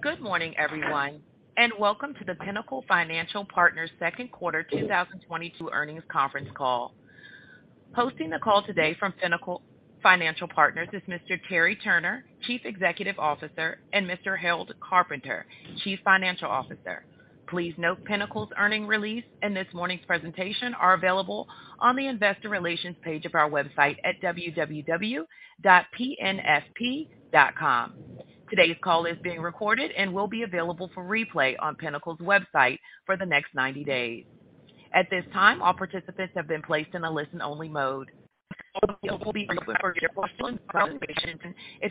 Good morning, everyone, and welcome to the Pinnacle Financial Partners Second Quarter 2022 Earnings Conference Call. Hosting the call today from Pinnacle Financial Partners is Mr. Terry Turner, Chief Executive Officer, and Mr. Harold Carpenter, Chief Financial Officer. Please note Pinnacle's earnings release and this morning's presentation are available on the investor relations page of our website at www.pnfp.com. Today's call is being recorded and will be available for replay on Pinnacle's website for the next 90 days. At this time, all participants have been placed in a listen-only mode. If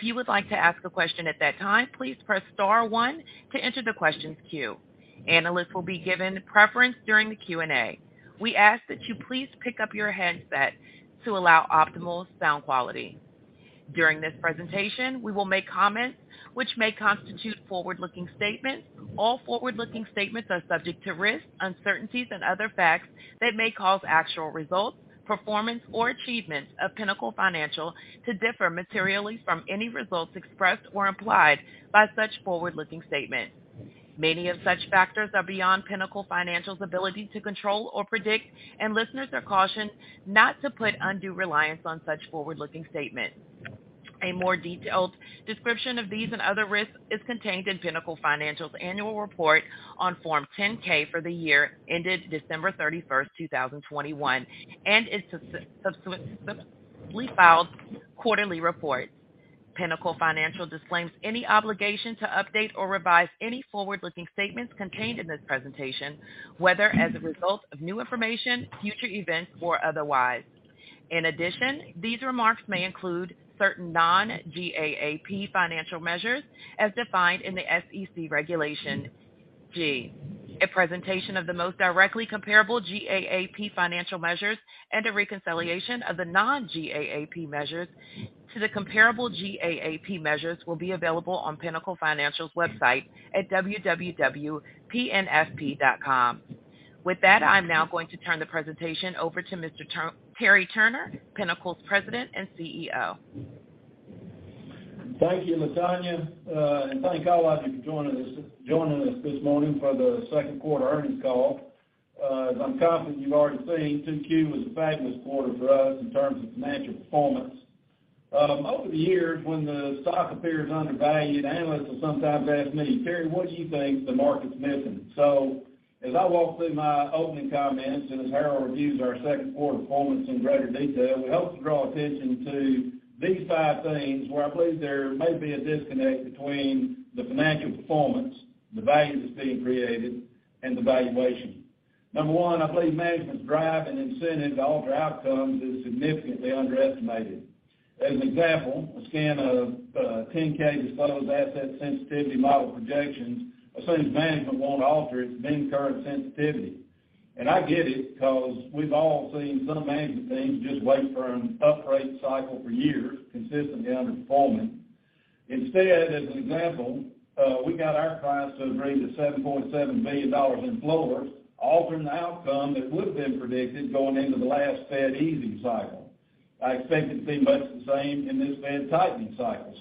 you would like to ask a question at that time, please press star one to enter the question queue. Analysts will be given preference during the Q&A. We ask that you please pick up your headset to allow optimal sound quality. During this presentation, we will make comments which may constitute forward-looking statements. All forward-looking statements are subject to risks, uncertainties and other facts that may cause actual results, performance or achievements of Pinnacle Financial to differ materially from any results expressed or implied by such forward-looking statements. Many of such factors are beyond Pinnacle Financial's ability to control or predict, and listeners are cautioned not to put undue reliance on such forward-looking statements. A more detailed description of these and other risks is contained in Pinnacle Financial's annual report on Form 10-K for the year ended December 31, 2021, and its subsequently filed quarterly reports. Pinnacle Financial disclaims any obligation to update or revise any forward-looking statements contained in this presentation, whether as a result of new information, future events or otherwise. In addition, these remarks may include certain non-GAAP financial measures as defined in the SEC Regulation G. A presentation of the most directly comparable GAAP financial measures and a reconciliation of the non-GAAP measures to the comparable GAAP measures will be available on Pinnacle Financial's website at www.pnfp.com. With that, I'm now going to turn the presentation over to Mr. Terry Turner, Pinnacle's President and CEO. Thank you, LaTonya, and thank all of you for joining us this morning for the Second Quarter Earnings Call. As I'm confident you've already seen, 2Q was a fabulous quarter for us in terms of financial performance. Over the years, when the stock appears undervalued, analysts will sometimes ask me, "Terry, what do you think the market's missing?" As I walk through my opening comments and as Harold reviews our second quarter performance in greater detail, we hope to draw attention to these five things where I believe there may be a disconnect between the financial performance, the value that's being created, and the valuation. Number one, I believe management's drive and incentive to alter outcomes is significantly underestimated. As an example, a scan of 10-K disclosed asset sensitivity model projections assumes management won't alter its main current sensitivity. I get it because we've all seen some management teams just wait for an upgrade cycle for years, consistently underperforming. Instead, as an example, we got our clients to agree to $7.7 billion in floors, altering the outcome that would have been predicted going into the last Fed easing cycle. I expect it to be much the same in this Fed tightening cycle.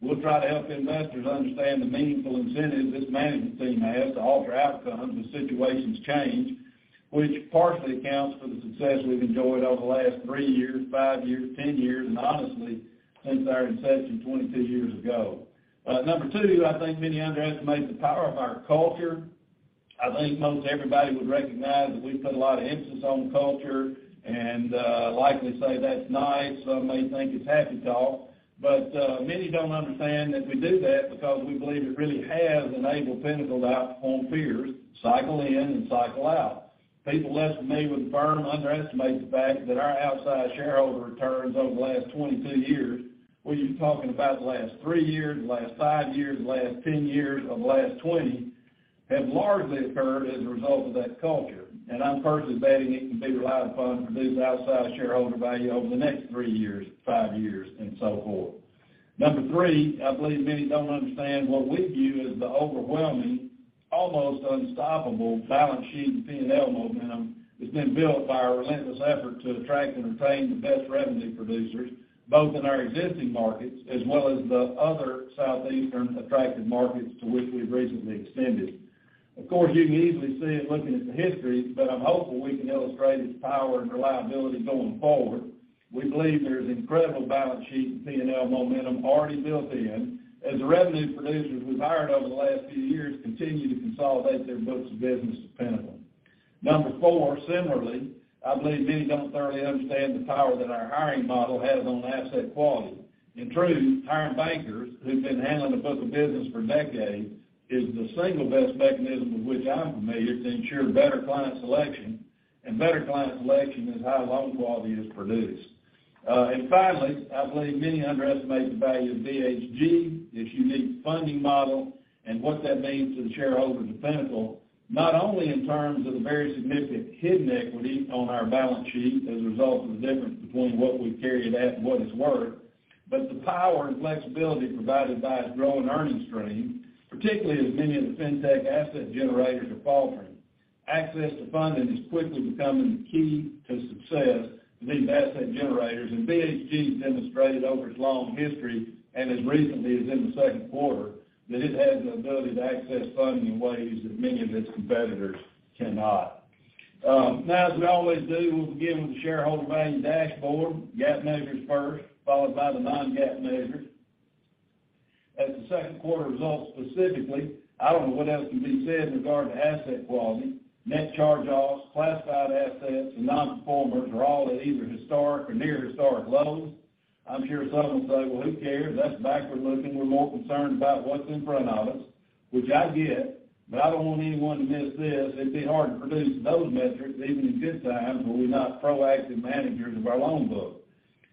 We'll try to help investors understand the meaningful incentive this management team has to alter outcomes as situations change, which partially accounts for the success we've enjoyed over the last three years, five years, 10 years, and honestly, since our inception 22 years ago. Number two, I think many underestimate the power of our culture. I think most everybody would recognize that we put a lot of emphasis on culture and likely say that's nice. Some may think it's happy talk, but many don't understand that we do that because we believe it really has enabled Pinnacle to outperform peers cycle in and cycle out. People less familiar with the firm underestimate the fact that our outside shareholder returns over the last 22 years, whether you're talking about the last three years, the last five years, the last 10 years, or the last 20, have largely occurred as a result of that culture. I'm personally betting it can be relied upon to produce outside shareholder value over the next three years, five years, and so forth. Number three, I believe many don't understand what we view as the overwhelming, almost unstoppable balance sheet P&L momentum that's been built by our relentless effort to attract and retain the best revenue producers, both in our existing markets as well as the other southeastern attractive markets to which we've recently extended. Of course, you can easily see it looking at the history, but I'm hopeful we can illustrate its power and reliability going forward. We believe there is incredible balance sheet and P&L momentum already built in as the revenue producers we've hired over the last few years continue to consolidate their books of business with Pinnacle. Number four, similarly, I believe many don't thoroughly understand the power that our hiring model has on asset quality. In truth, hiring bankers who've been handling the book of business for decades is the single best mechanism of which I'm familiar to ensure better client selection, and better client selection is how loan quality is produced. Finally, I believe many underestimate the value of BHG, its unique funding model, and what that means to the shareholders of Pinnacle, not only in terms of the very significant hidden equity on our balance sheet as a result of the difference between what we carry it at and what it's worth, but the power and flexibility provided by its growing earnings stream, particularly as many of the fintech asset generators are faltering. Access to funding is quickly becoming the key to success for these asset generators, and BHG has demonstrated over its long history, and as recently as in the second quarter, that it has the ability to access funding in ways that many of its competitors cannot. Now, as we always do, we'll begin with the shareholder value dashboard, GAAP measures first, followed by the non-GAAP measures. As the second quarter results specifically, I don't know what else can be said in regard to asset quality. Net charge-offs, classified assets, and nonperformers are all at either historic or near historic lows. I'm sure some will say, "Well, who cares? That's backward-looking. We're more concerned about what's in front of us," which I get, but I don't want anyone to miss this. It'd be hard to produce those metrics even in good times were we not proactive managers of our loan book.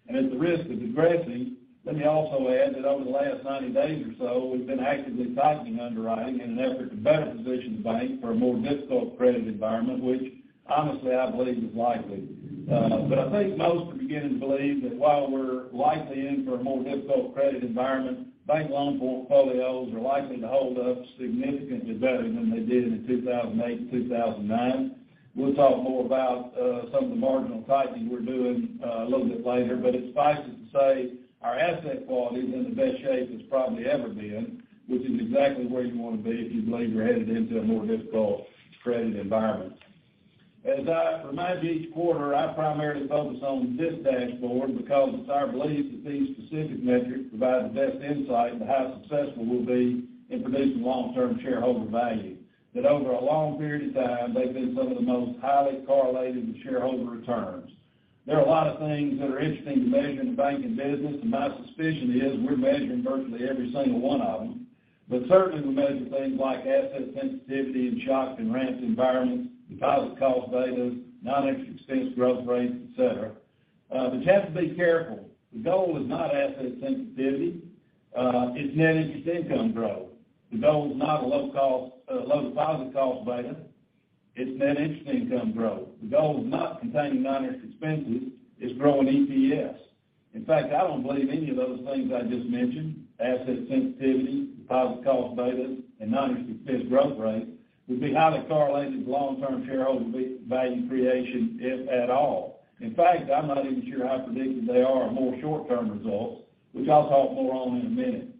At the risk of digressing, let me also add that over the last 90 days or so, we've been actively tightening underwriting in an effort to better position the bank for a more difficult credit environment, which honestly, I believe is likely. I think most are beginning to believe that while we're likely in for a more difficult credit environment, bank loan portfolios are likely to hold up significantly better than they did in 2008 and 2009. We'll talk more about some of the marginal tightening we're doing a little bit later. It suffices to say our asset quality is in the best shape it's probably ever been, which is exactly where you wanna be if you believe we're headed into a more difficult credit environment. As I remind you each quarter, I primarily focus on this dashboard because it's our belief that these specific metrics provide the best insight into how successful we'll be in producing long-term shareholder value. That over a long period of time, they've been some of the most highly correlated to shareholder returns. There are a lot of things that are interesting to measure in the banking business, and my suspicion is we're measuring virtually every single one of them. Certainly, we measure things like asset sensitivity and shock and ramps environments, deposit cost betas, non-interest expense growth rates, et cetera. You have to be careful. The goal is not asset sensitivity, it's net interest income growth. The goal is not a low deposit cost beta, it's net interest income growth. The goal is not containing non-interest expenses, it's growing EPS. In fact, I don't believe any of those things I just mentioned, asset sensitivity, deposit cost betas, and non-interest expense growth rate, would be highly correlated to long-term shareholder value creation, if at all. In fact, I'm not even sure how predictive they are of more short-term results, which I'll talk more on in a minute.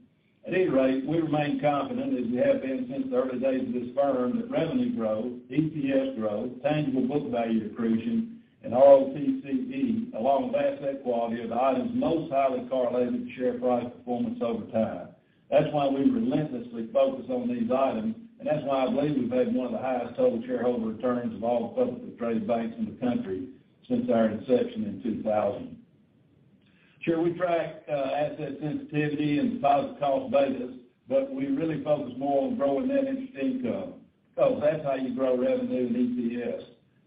At any rate, we remain confident, as we have been since the early days of this firm, that revenue growth, EPS growth, tangible book value accretion, and ROTCE, along with asset quality, are the items most highly correlated to share price performance over time. That's why we relentlessly focus on these items, and that's why I believe we've had one of the highest total shareholder returns of all the publicly traded banks in the country since our inception in 2000. Sure, we track asset sensitivity and deposit cost betas, but we really focus more on growing net interest income, because that's how you grow revenue and EPS.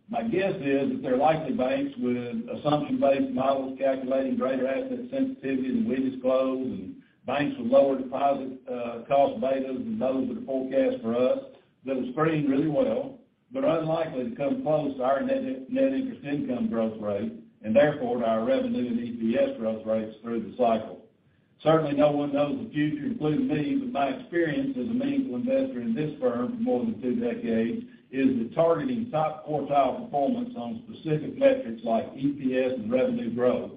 My guess is that there are likely banks with assumption-based models calculating greater asset sensitivity than we disclose, and banks with lower deposit cost betas than those that are forecast for us that will screen really well, but are unlikely to come close to our net interest income growth rate, and therefore to our revenue and EPS growth rates through the cycle. Certainly, no one knows the future, including me, but my experience as a meaningful investor in this firm for more than two decades is that targeting top quartile performance on specific metrics like EPS and revenue growth,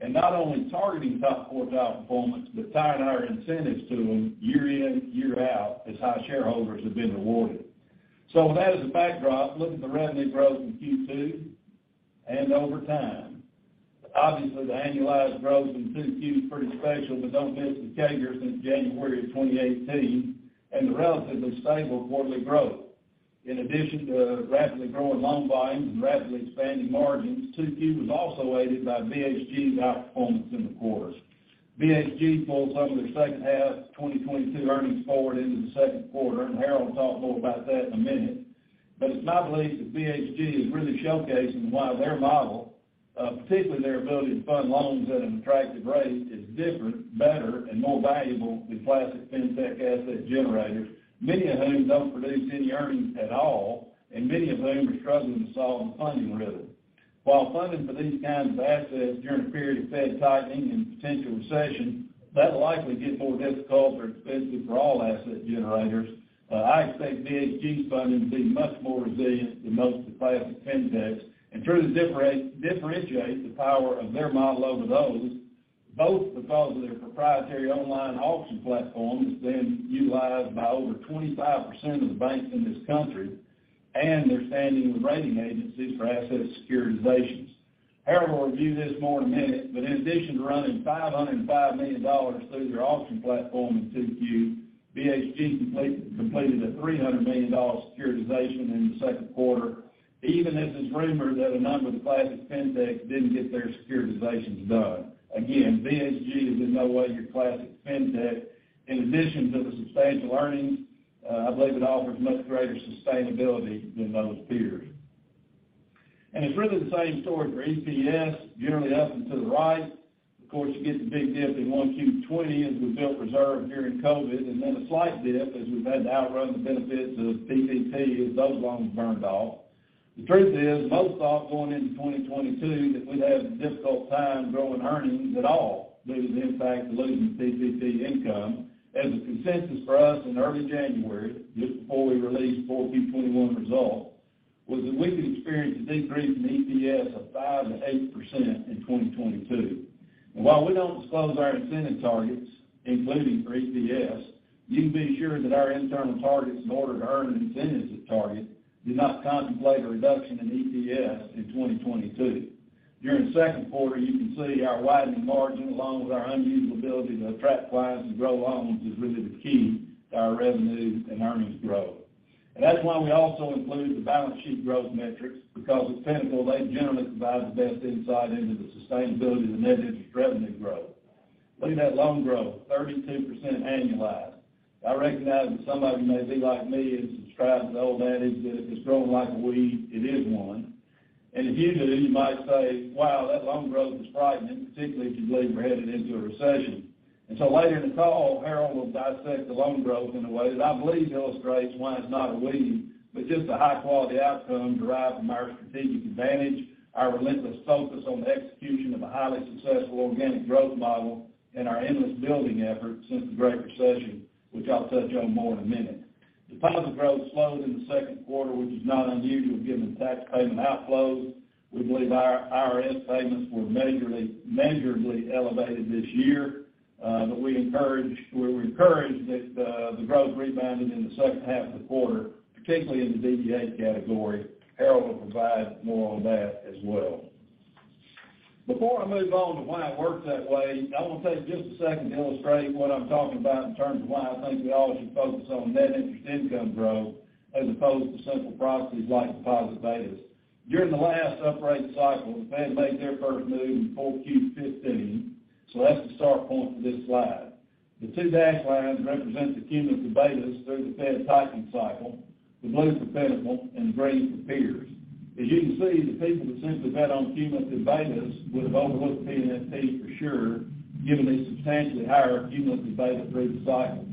and not only targeting top quartile performance, but tying our incentives to them year in, year out, is how shareholders have been rewarded. With that as a backdrop, look at the revenue growth in Q2 and over time. Obviously, the annualized growth in 2Q is pretty special, but don't miss the CAGR since January of 2018, and the relatively stable quarterly growth. In addition to rapidly growing loan volumes and rapidly expanding margins, 2Q was also aided by BHG's outperformance in the quarter. BHG pulled some of their second half 2022 earnings forward into the second quarter, and Harold will talk more about that in a minute. It's my belief that BHG is really showcasing why their model, particularly their ability to fund loans at an attractive rate, is different, better, and more valuable than classic fintech asset generators, many of whom don't produce any earnings at all, and many of whom are struggling to solve a funding riddle. While funding for these kinds of assets during a period of Fed tightening and potential recession, that'll likely get more difficult or expensive for all asset generators. I expect BHG's funding to be much more resilient than most of the classic fintechs and truly differentiate the power of their model over those, both because of their proprietary online auction platform that's being utilized by over 25% of the banks in this country, and their standing with rating agencies for asset securitizations. Harold will review this more in a minute, but in addition to running $505 million through their auction platform in 2Q, BHG completed a $300 million securitization in the second quarter, even as it's rumored that a number of the classic fintechs didn't get their securitizations done. Again, BHG is in no way your classic fintech. In addition to the substantial earnings, I believe it offers much greater sustainability than those peers. It's really the same story for EPS, generally up and to the right. Of course, you get the big dip in 1Q 2020 as we built reserve during COVID, and then a slight dip as we've had to outrun the benefits of PPP as those loans burned off. The truth is, most thought going into 2022 that we'd have a difficult time growing earnings at all due to the impact of losing PPP income as a consensus for us in early January, just before we released full Q 2021 results, was that we could experience a decrease in EPS of 5%-8% in 2022. While we don't disclose our incentive targets, including for EPS, you can be assured that our internal targets in order to earn an incentive target do not contemplate a reduction in EPS in 2022. During the second quarter, you can see our widening margin along with our unusual ability to attract clients and grow loans is really the key to our revenue and earnings growth. That's why we also include the balance sheet growth metrics, because at Pinnacle, they generally provide the best insight into the sustainability of the net interest revenue growth. Look at that loan growth, 32% annualized. I recognize that some of you may be like me and subscribe to the old adage that if it's growing like a weed, it is one. If you do, you might say, wow, that loan growth is frightening, particularly if you believe we're headed into a recession. Later in the call, Harold will dissect the loan growth in a way that I believe illustrates why it's not a weed, but just a high-quality outcome derived from our strategic advantage, our relentless focus on the execution of a highly successful organic growth model, and our endless building efforts since the Great Recession, which I'll touch on more in a minute. Deposit growth slowed in the second quarter, which is not unusual given the tax payment outflows. We believe our IRS payments were materially elevated this year, but we're encouraged that the growth rebounded in the second half of the quarter, particularly in the DDA category. Harold will provide more on that as well. Before I move on to why it works that way, I want to take just a second to illustrate what I'm talking about in terms of why I think we all should focus on net interest income growth as opposed to simple proxies like deposit betas. During the last upgrade cycle, the Fed made their first move in full Q1 15, so that's the start point for this slide. The two dashed lines represent the cumulative betas through the Fed tightening cycle, the blue for Pinnacle and the green for peers. As you can see, the people that simply bet on cumulative betas would have overlooked PNFP for sure, given the substantially higher cumulative beta through the cycle.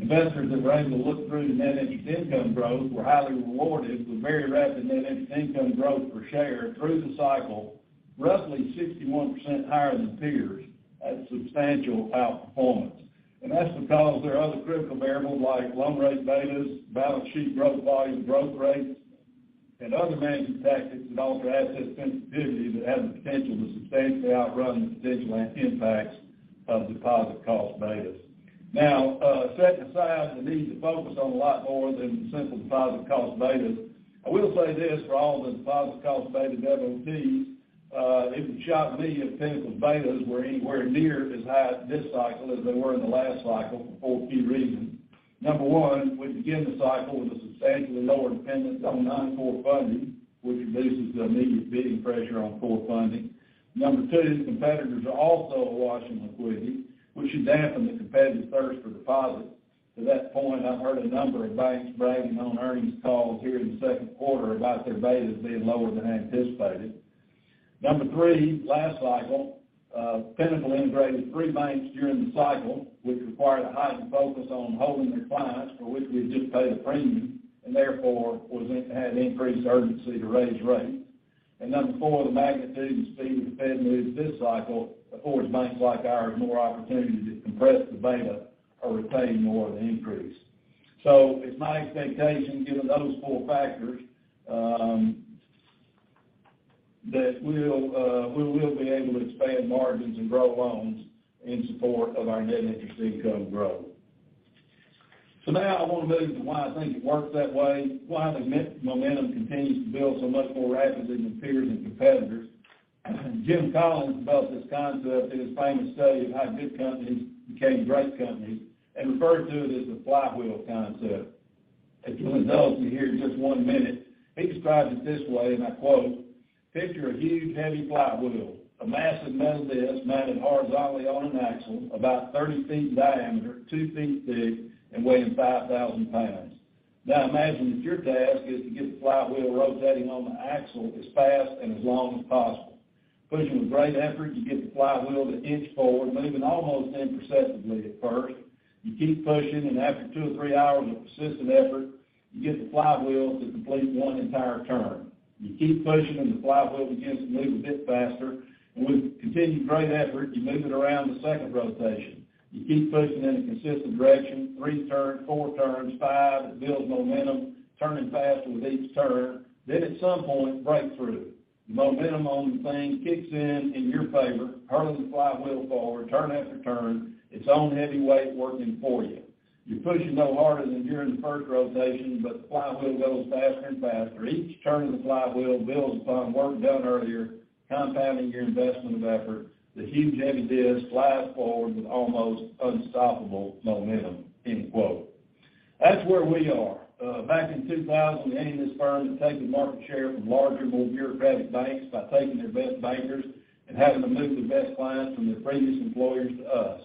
Investors that were able to look through the net interest income growth were highly rewarded with very rapid net interest income growth per share through the cycle, roughly 61% higher than peers. That's substantial outperformance. That's because there are other critical variables like loan rate betas, balance sheet growth volumes, growth rates, and other management tactics that alter asset sensitivity that have the potential to substantially outrun the potential impacts of deposit cost betas. Now, setting aside the need to focus on a lot more than simple deposit cost betas, I will say this for all the deposit cost beta devotees, it would shock me if Pinnacle betas were anywhere near as high this cycle as they were in the last cycle for four key reasons. Number 1, we begin the cycle with a substantially lower dependence on non-core funding, which reduces the immediate bidding pressure on core funding. Number 2, competitors are also awash in liquidity, which should dampen the competitive thirst for deposits. To that point, I've heard a number of banks bragging on earnings calls here in the second quarter about their betas being lower than anticipated. Number 3, last cycle, Pinnacle integrated 3 banks during the cycle, which required a heightened focus on holding their clients, for which we had just paid a premium, and therefore had increased urgency to raise rates. Number 4, the magnitude and speed of the Fed moves this cycle affords banks like ours more opportunities to compress the beta or retain more of the increase. It's my expectation, given those four factors, that we will be able to expand margins and grow loans in support of our net interest income growth. Now, I want to move to why I think it works that way, why the momentum continues to build so much more rapidly than peers and competitors. Jim Collins felt this concept in his famous study of how good companies became great companies and referred to it as the flywheel concept, as you'll know if you hear in just one minute. He describes it this way, and I quote, "Picture a huge heavy flywheel, a massive metal disc mounted horizontally on an axle, about 30 feet in diameter, two feet thick, and weighing 5,000 pounds. Now imagine that your task is to get the flywheel rotating on the axle as fast and as long as possible. Pushing with great effort, you get the flywheel to inch forward, moving almost imperceptibly at first. You keep pushing, and after 2 or 3 hours of persistent effort, you get the flywheel to complete 1 entire turn. You keep pushing, and the flywheel begins to move a bit faster, and with continued great effort, you move it around to second rotation. You keep pushing in a consistent direction, 3 turns, 4 turns, 5. It builds momentum, turning faster with each turn. At some point, breakthrough. Momentum on the thing kicks in in your favor, hurling the flywheel forward, turn after turn, its own heavy weight working for you. You're pushing no harder than during the first rotation, but the flywheel goes faster and faster. Each turn of the flywheel builds upon work done earlier, compounding your investment of effort. The huge heavy disc flies forward with almost unstoppable momentum." End quote. That's where we are. Back in 2000, we entered this firm to take the market share from larger, more bureaucratic banks by taking their best bankers and having them move the best clients from their previous employers to us.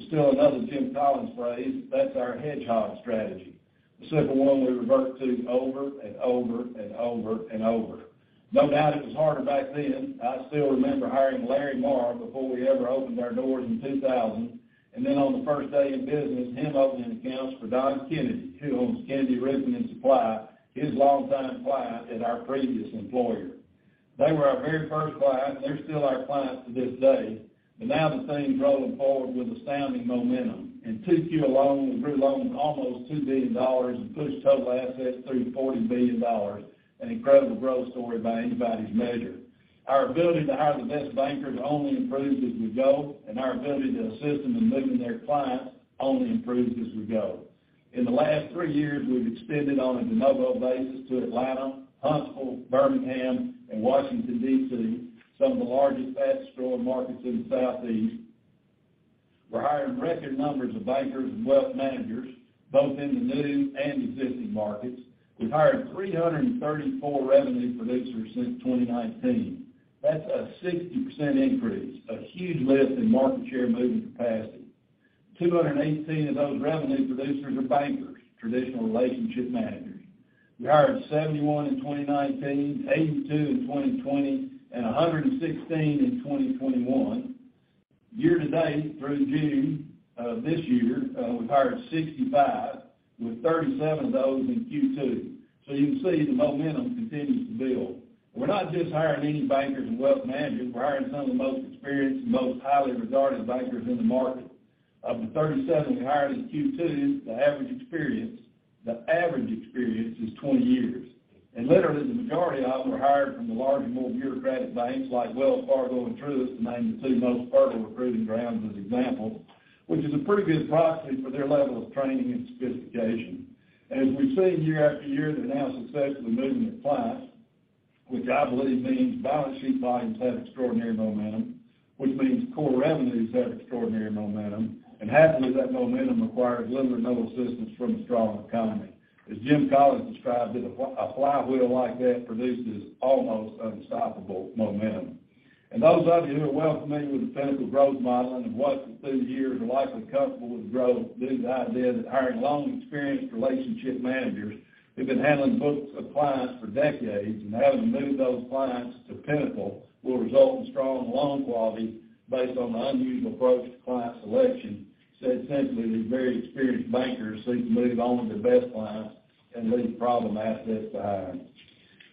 To steal another Jim Collins phrase, that's our hedgehog strategy, the simple one we revert to over and over and over and over. No doubt it was harder back then. I still remember hiring Larry Marr before we ever opened our doors in 2000. On the first day of business, him opening accounts for Don Kennedy, who owns Kennedy Ribbon & Supply, his longtime client at our previous employer. They were our very first client, and they're still our client to this day. Now the thing's rolling forward with astounding momentum. In 2Q alone, we grew loans almost $2 billion and pushed total assets through $40 billion, an incredible growth story by anybody's measure. Our ability to hire the best bankers only improves as we go, and our ability to assist them in moving their clients only improves as we go. In the last three years, we've extended on a de novo basis to Atlanta, Huntsville, Birmingham, and Washington, D.C., some of the largest asset-starved markets in the Southeast. We're hiring record numbers of bankers and wealth managers, both in the new and existing markets. We've hired 334 revenue producers since 2019. That's a 60% increase, a huge lift in market share moving capacity. 218 of those revenue producers are bankers, traditional relationship managers. We hired 71 in 2019, 82 in 2020, and 116 in 2021. Year-to-date through June of this year, we've hired 65, with 37 of those in Q2. You can see the momentum continues to build. We're not just hiring any bankers and wealth managers, we're hiring some of the most experienced and most highly regarded bankers in the market. Of the 37 we hired in Q2, the average experience is 20 years. Literally the majority of them were hired from the larger, more bureaucratic banks like Wells Fargo and Truist, to name the two most fertile recruiting grounds as examples, which is a pretty good proxy for their level of training and sophistication. As we've seen year after year, they've now successfully moved their clients, which I believe means balance sheet volumes have extraordinary momentum, which means core revenues have extraordinary momentum, and happily that momentum requires little or no assistance from a strong economy. As Jim Collins described it, a flywheel like that produces almost unstoppable momentum. Those of you who are well familiar with the Pinnacle growth model and have watched it through the years are likely comfortable with the growth, the idea that hiring long, experienced relationship managers who've been handling books of clients for decades and having to move those clients to Pinnacle will result in strong loan quality based on the unusual approach to client selection. Essentially, these are very experienced bankers so you can move only the best clients and leave problem assets behind.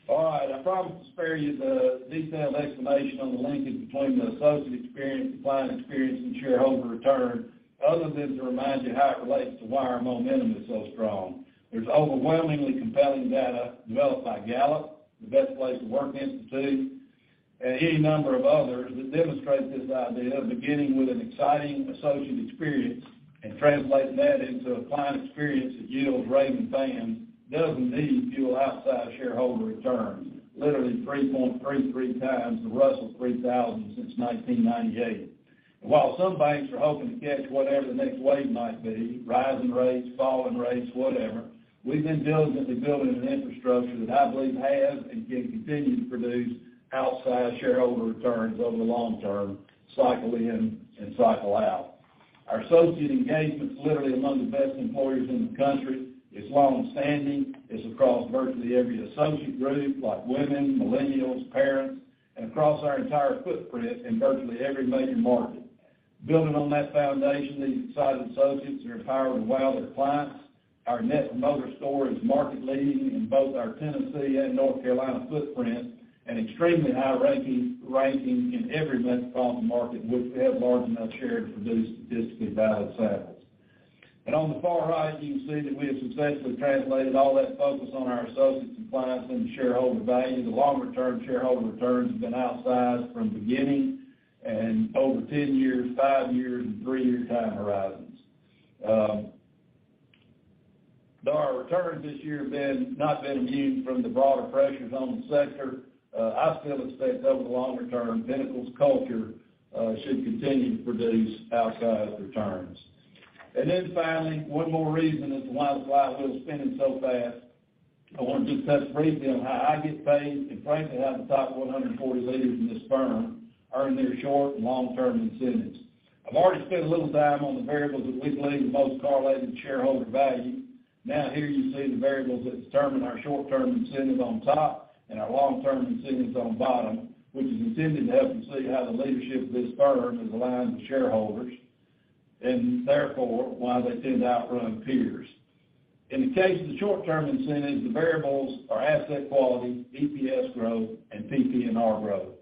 All right, I promise to spare you the detailed explanation on the linkage between the associate experience, the client experience, and shareholder return, other than to remind you how it relates to why our momentum is so strong. There's overwhelmingly compelling data developed by Gallup, the Great Place to Work Institute, and any number of others that demonstrate this idea of beginning with an exciting associate experience and translating that into a client experience that yields raving fans, doesn't need to fuel outsized shareholder returns, literally 3.33 times the Russell 3000 since 1998. While some banks are hoping to catch whatever the next wave might be, rising rates, falling rates, whatever, we've been diligently building an infrastructure that I believe has and can continue to produce outsized shareholder returns over the long term, cycle in and cycle out. Our associate engagement's literally among the best employers in the country. It's long-standing. It's across virtually every associate group, like women, millennials, parents, and across our entire footprint in virtually every major market. Building on that foundation, these excited associates are empowered to wow their clients. Our Net Promoter Score is market leading in both our Tennessee and North Carolina footprint, and extremely high ranking in every metropolitan market which we have large enough share to produce statistically valid samples. On the far right, you can see that we have successfully translated all that focus on our associates and clients into shareholder value. The longer-term shareholder returns have been outsized from beginning and over 10-year, 5-year, and 3-year time horizons. Though our returns this year have not been immune from the broader pressures on the sector, I still expect over the longer term, Pinnacle's culture should continue to produce outsized returns. Finally, one more reason as to why the flywheel is spinning so fast, I want to just touch briefly on how I get paid and frankly, how the top 140 leaders in this firm earn their short and long-term incentives. I've already spent a little time on the variables that we believe are most correlated to shareholder value. Now here you see the variables that determine our short-term incentive on top and our long-term incentives on bottom, which is intended to help you see how the leadership of this firm is aligned with shareholders, and therefore, why they tend to outrun peers. In the case of the short-term incentives, the variables are asset quality, EPS growth, and PPNR growth.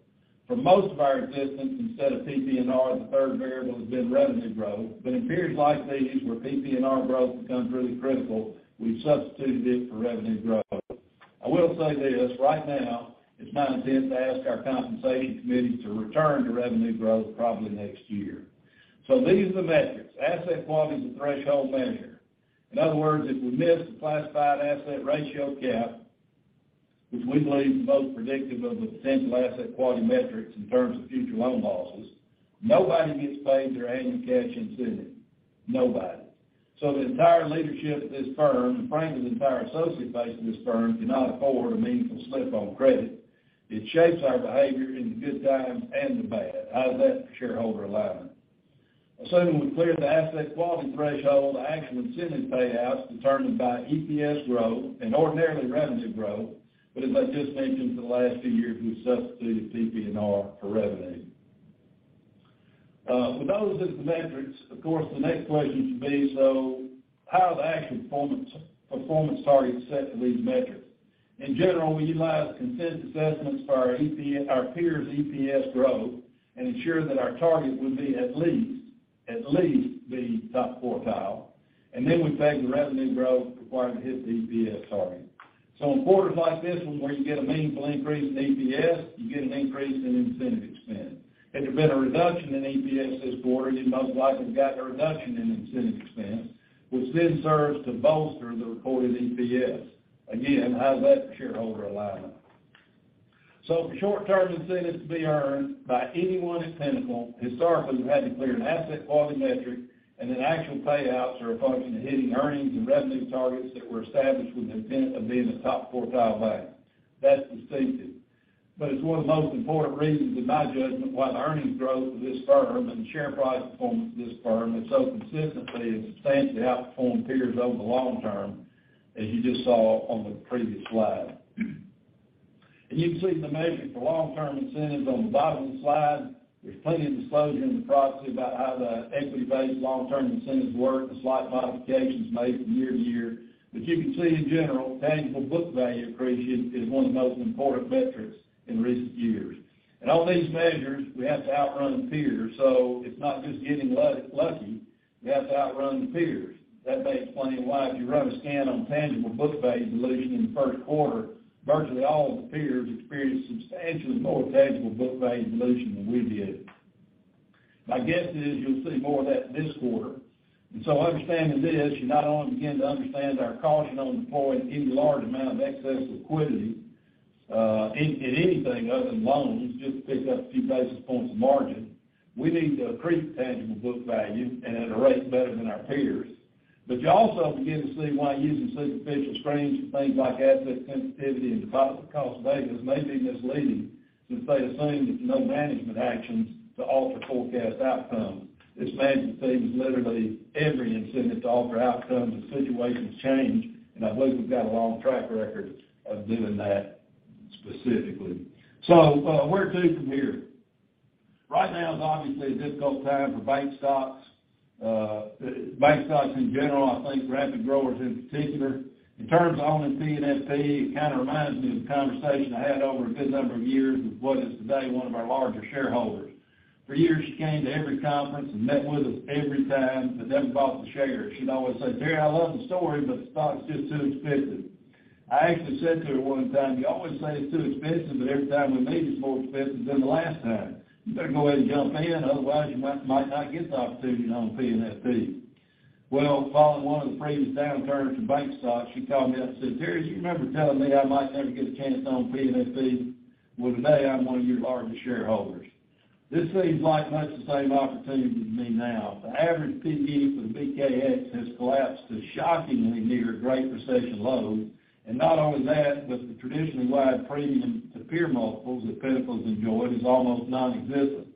For most of our existence, instead of PPNR, the third variable has been revenue growth. In periods like these, where PPNR growth becomes really critical, we've substituted it for revenue growth. I will say this, right now it's my intent to ask our compensation committee to return to revenue growth probably next year. These are the metrics. Asset quality is a threshold measure. In other words, if we miss the classified asset ratio gap, which we believe is the most predictive of the potential asset quality metrics in terms of future loan losses, nobody gets paid their annual cash incentive. Nobody. The entire leadership of this firm, and frankly, the entire associate base of this firm, cannot afford a meaningful slip on credit. It shapes our behavior in the good times and the bad. How's that for shareholder alignment? Assuming we've cleared the asset quality threshold, the actual incentive payouts determined by EPS growth and ordinarily revenue growth. As I just mentioned, for the last few years, we've substituted PPNR for revenue. With those as the metrics, of course, the next question should be, so how are the actual performance targets set for these metrics? In general, we utilize consensus estimates for our peers' EPS growth and ensure that our target would be at least the top quartile, and then we take the revenue growth required to hit the EPS target. In quarters like this one, where you get a meaningful increase in EPS, you get an increase in incentive expense. Had there been a reduction in EPS this quarter, you'd most likely have gotten a reduction in incentive expense, which then serves to bolster the reported EPS. Again, how's that for shareholder alignment? For short-term incentives to be earned by anyone at Pinnacle, historically, we've had to clear an asset quality metric, and then actual payouts are a function of hitting earnings and revenue targets that were established with the intent of being a top quartile bank. That's distinctive, but it's one of the most important reasons, in my judgment, why the earnings growth of this firm and the share price performance of this firm has so consistently and substantially outperformed peers over the long term, as you just saw on the previous slide. You can see the metrics for long-term incentives on the bottom of the slide. There's plenty of disclosure in the proxy about how the equity-based long-term incentives work, the slight modifications made from year to year. You can see, in general, tangible book value accretion is one of the most important metrics in recent years. On these measures, we have to outrun the peers. It's not just getting lucky. We have to outrun the peers. That may explain why if you run a scan on tangible book value dilution in the first quarter, virtually all of the peers experienced substantially more tangible book value dilution than we did. My guess is you'll see more of that this quarter. Understanding this, you not only begin to understand our caution on deploying any large amount of excess liquidity in anything other than loans, just to pick up a few basis points of margin. We need to accrete the tangible book value and at a rate better than our peers. You also begin to see why using superficial screens for things like asset sensitivity and deposit cost betas may be misleading, since they assume that there's no management actions to alter forecast outcomes. This management team has every incentive to alter outcomes as situations change, and I believe we've got a long track record of doing that specifically. Where to from here? Right now is obviously a difficult time for bank stocks, bank stocks in general, I think rapid growers in particular. In terms of owning PNFP, it kind of reminds me of a conversation I had over a good number of years with what is today one of our larger shareholders. For years, she came to every conference and met with us every time, but never bought the shares. She'd always say, "Terry, I love the story, but the stock's just too expensive." I actually said to her one time, "You always say it's too expensive, but every time we meet, it's more expensive than the last time. You better go ahead and jump in, otherwise you might not get the opportunity to own PNFP." Well, following one of the previous downturns in bank stocks, she called me up and said, "Terry, you remember telling me I might never get a chance to own PNFP? Well, today, I'm one of your largest shareholders." This seems like much the same opportunity to me now. The average P/E for the BKX has collapsed to shockingly near Great Recession lows. Not only that, but the traditionally wide premium to peer multiples that Pinnacle has enjoyed is almost nonexistent.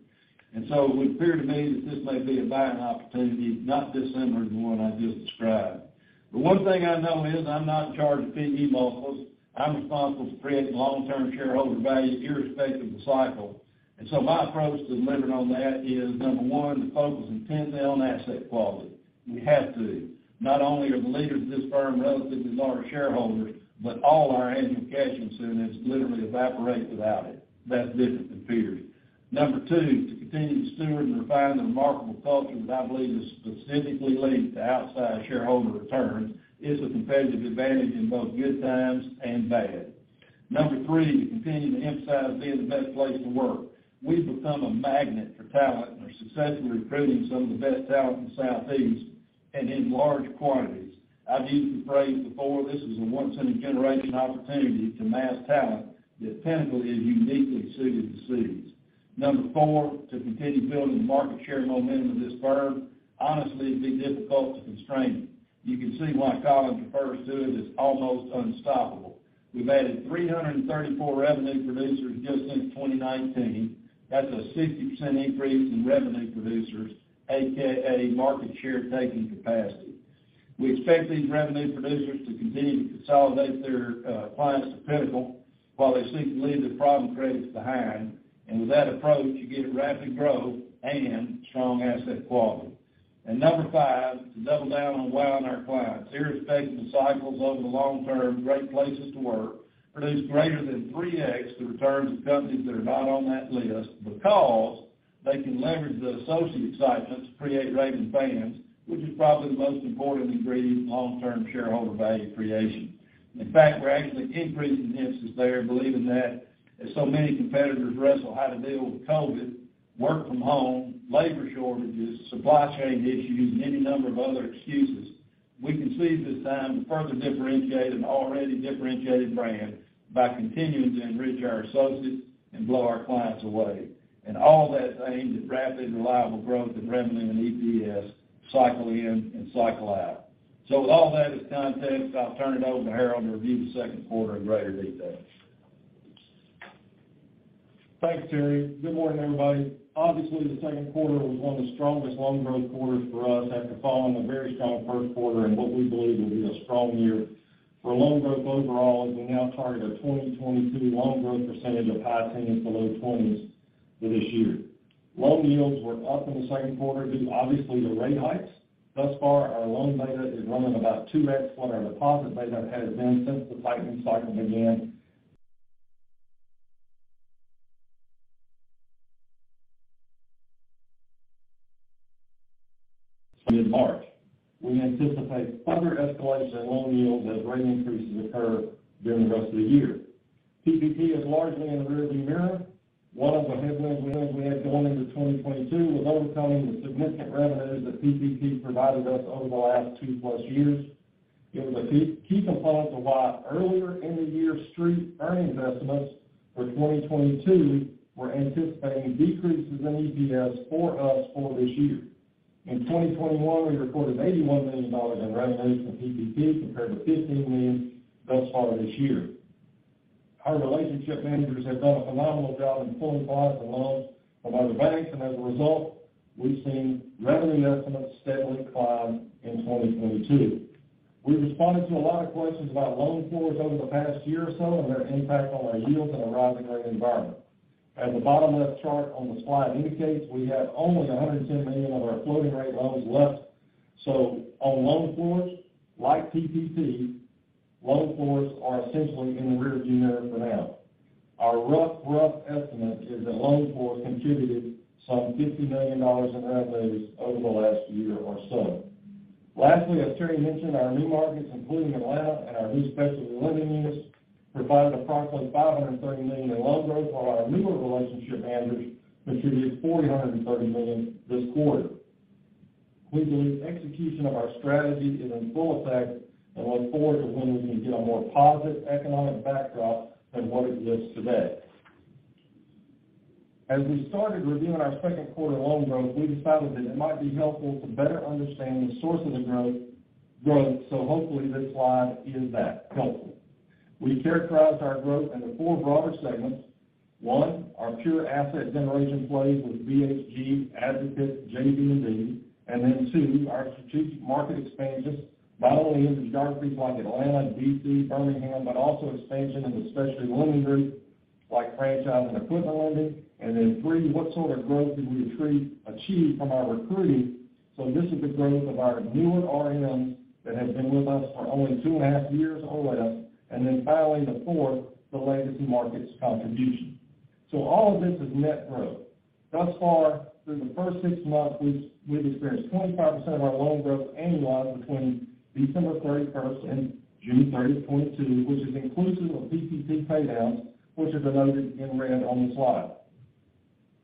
It would appear to me that this may be a buying opportunity not dissimilar to the one I just described. The one thing I know is I'm not in charge of P/E multiples. I'm responsible for creating long-term shareholder value irrespective of the cycle. My approach to delivering on that is, number one, to focus intently on asset quality. We have to. Not only are the leaders of this firm relatively large shareholders, but all our annual cash incentives literally evaporate without it. That's different than peers. Number two, to continue to steward and refine the remarkable culture that I believe is specifically linked to outsized shareholder returns is a competitive advantage in both good times and bad. Number three, to continue to emphasize being the best place to work. We've become a magnet for talent and are successfully recruiting some of the best talent in the Southeast and in large quantities. I've used the phrase before, this is a once-in-a-generation opportunity to mass talent that Pinnacle is uniquely suited to seize. Number four, to continue building the market share momentum of this firm. Honestly, it'd be difficult to constrain it. You can see why Jim Collins prefers to it as almost unstoppable. We've added 334 revenue producers just since 2019. That's a 60% increase in revenue producers, AKA market share-taking capacity. We expect these revenue producers to continue to consolidate their clients to Pinnacle while they seek to leave their problem credits behind. With that approach, you get rapid growth and strong asset quality. Number five, to double down on wowing our clients. Irrespective of cycles over the long term, great places to work produce greater than 3x the returns of companies that are not on that list because they can leverage the associate excitement to create raving fans, which is probably the most important ingredient in long-term shareholder value creation. In fact, we're actually increasing the emphasis there, believing that as so many competitors wrestle how to deal with COVID, work from home, labor shortages, supply chain issues, and any number of other excuses, we can seize this time to further differentiate an already differentiated brand by continuing to enrich our associates and blow our clients away. All that's aimed at rapid and reliable growth in revenue and EPS, cycle in and cycle out. With all that as context, I'll turn it over to Harold to review the second quarter in greater detail. Thanks, Terry. Good morning, everybody. Obviously, the second quarter was one of the strongest loan growth quarters for us after following a very strong first quarter and what we believe will be a strong year for loan growth overall, as we now target a 2022 loan growth percentage of high teens-low twenties for this year. Loan yields were up in the second quarter due to obviously the rate hikes. Thus far, our loan beta is running about 2x what our deposit beta has been since the tightening cycle began in March. We anticipate further escalation in loan yields as rate increases occur during the rest of the year. PPP is largely in the rear view mirror. One of the headwinds we always had going into 2022 was overcoming the significant revenues that PPP provided us over the last 2+ years. It was a key component to why earlier in the year, street earnings estimates for 2022 were anticipating decreases in EPS for us for this year. In 2021, we recorded $81 million in revenues from PPP compared to $15 million thus far this year. Our relationship managers have done a phenomenal job in pulling a lot of the loans from other banks, and as a result, we've seen revenue estimates steadily climb in 2022. We've responded to a lot of questions about loan floors over the past year or so and their impact on our yields in a rising rate environment. As the bottom left chart on the slide indicates, we have only $110 million of our floating rate loans left. On loan floors, like PPP, loan floors are essentially in the rearview mirror for now. Our rough estimate is that loan floors contributed some $50 million in revenues over the last year or so. Lastly, as Terry mentioned, our new markets, including Atlanta and our new specialty lending units, provided approximately $530 million in loan growth, while our newer relationship managers contributed $430 million this quarter. We believe execution of our strategy is in full effect and look forward to when we can get a more positive economic backdrop than what it is today. As we started reviewing our second quarter loan growth, we decided that it might be helpful to better understand the source of the growth, so hopefully this slide is that helpful. We characterized our growth into four broader segments. One, our pure asset generation plays with BHG, Advocate, JB&B. And then two, our strategic market expansions, not only into geographies like Atlanta and D.C., Birmingham, but also expansion in the specialty lending group, like franchise and equipment lending. And then three, what sort of growth did we achieve from our recruiting? This is the growth of our newer RMs that have been with us for only 2.5 years or less. And then finally, the fourth, the legacy markets contribution. All of this is net growth. Thus far, through the first 6 months, we've experienced 25% of our loan growth annually between December 31, 2021 and June 30, 2022, which is inclusive of PPP paydowns, which are denoted in red on the slide.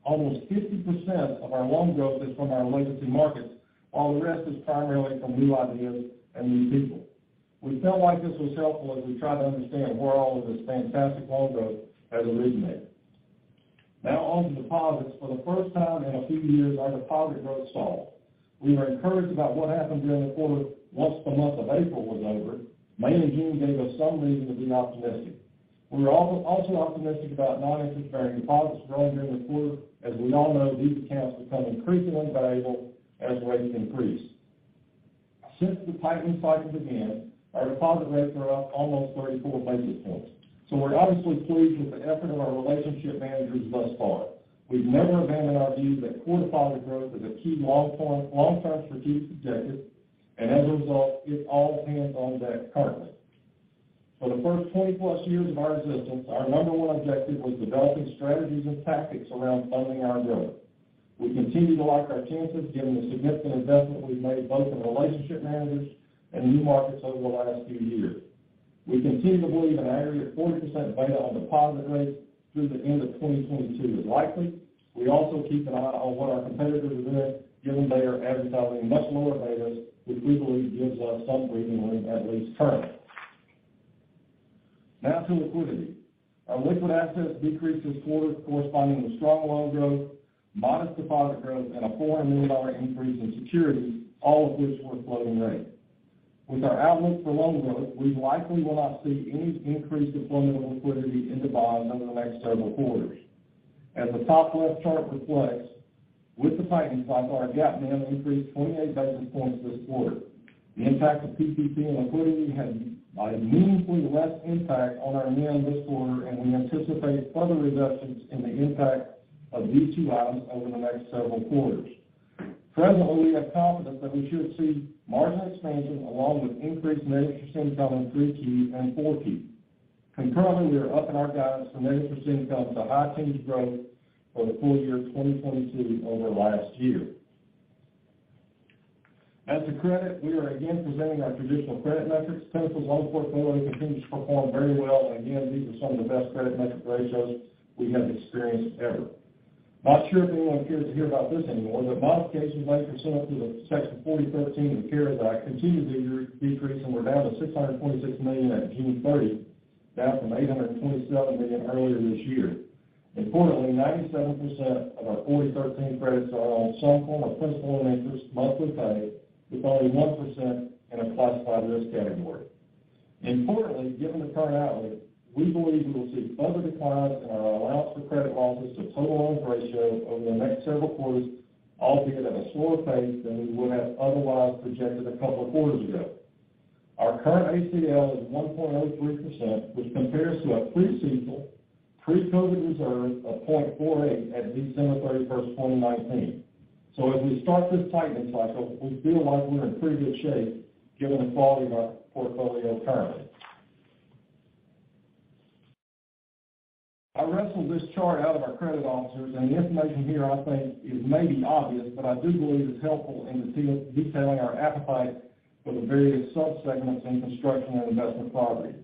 Almost 50% of our loan growth is from our legacy markets, while the rest is primarily from new ideas and new people. We felt like this was helpful as we try to understand where all of this fantastic loan growth has originated. Now on to deposits. For the first time in a few years, our deposit growth stalled. We are encouraged about what happened during the quarter once the month of April was over. May and June gave us some reason to be optimistic. We're also optimistic about non-interest bearing deposits growing during the quarter. As we all know, these accounts become increasingly valuable as rates increase. Since the tightening cycle began, our deposit rates are up almost 34 basis points, so we're obviously pleased with the effort of our relationship managers thus far. We've never abandoned our view that core deposit growth is a key long-term strategic objective, and as a result, it's all hands on deck currently. For the first 20-plus years of our existence, our number one objective was developing strategies and tactics around funding our growth. We continue to like our chances given the significant investment we've made both in relationship managers and new markets over the last few years. We continue to believe an aggregate 40% beta on deposit rates through the end of 2022 is likely. We also keep an eye on what our competitors are doing, given they are advertising much lower betas, which we believe gives us some breathing room, at least currently. Now to liquidity. Our liquid assets decreased this quarter corresponding with strong loan growth, modest deposit growth, and a $400 million increase in securities, all of which were floating rate. With our outlook for loan growth, we likely will not see any increase in deployment of liquidity into bonds over the next several quarters. As the top left chart reflects, with the tightening cycle, our gap now increased 28 basis points this quarter. The impact of PPP on liquidity had a meaningfully less impact on our NIM this quarter, and we anticipate further reductions in the impact of these two items over the next several quarters. Presently, we have confidence that we should see margin expansion along with increased net interest income in 3Q and 4Q. Concurrently, we are upping our guidance for net interest income to high teens growth for the full year 2022 over last year. As to credit, we are again presenting our traditional credit metrics. Pinnacle's loan portfolio continues to perform very well and again, these are some of the best credit metric ratios we have experienced ever. Not sure if anyone cares to hear about this anymore, but modifications 90% up to the Section 4013 of the CARES Act continue to decrease, and we're down to $626 million at June 30, down from $827 million earlier this year. Importantly, 97% of our 4013 credits are on some form of principal and interest monthly pay, with only 1% in a classified risk category. Importantly, given the current outlook, we believe we will see further declines in our allowance for credit losses to total loans ratio over the next several quarters, albeit at a slower pace than we would have otherwise projected a couple of quarters ago. Our current ACL is 1.03%, which compares to a pre-CECL, pre-COVID reserve of 0.48% at December 31, 2019. As we start this tightening cycle, we feel like we're in pretty good shape given the quality of our portfolio currently. I wrestled this chart out of our credit officers, and the information here I think is maybe obvious, but I do believe is helpful in detailing our appetite for the various subsegments in construction and investment property.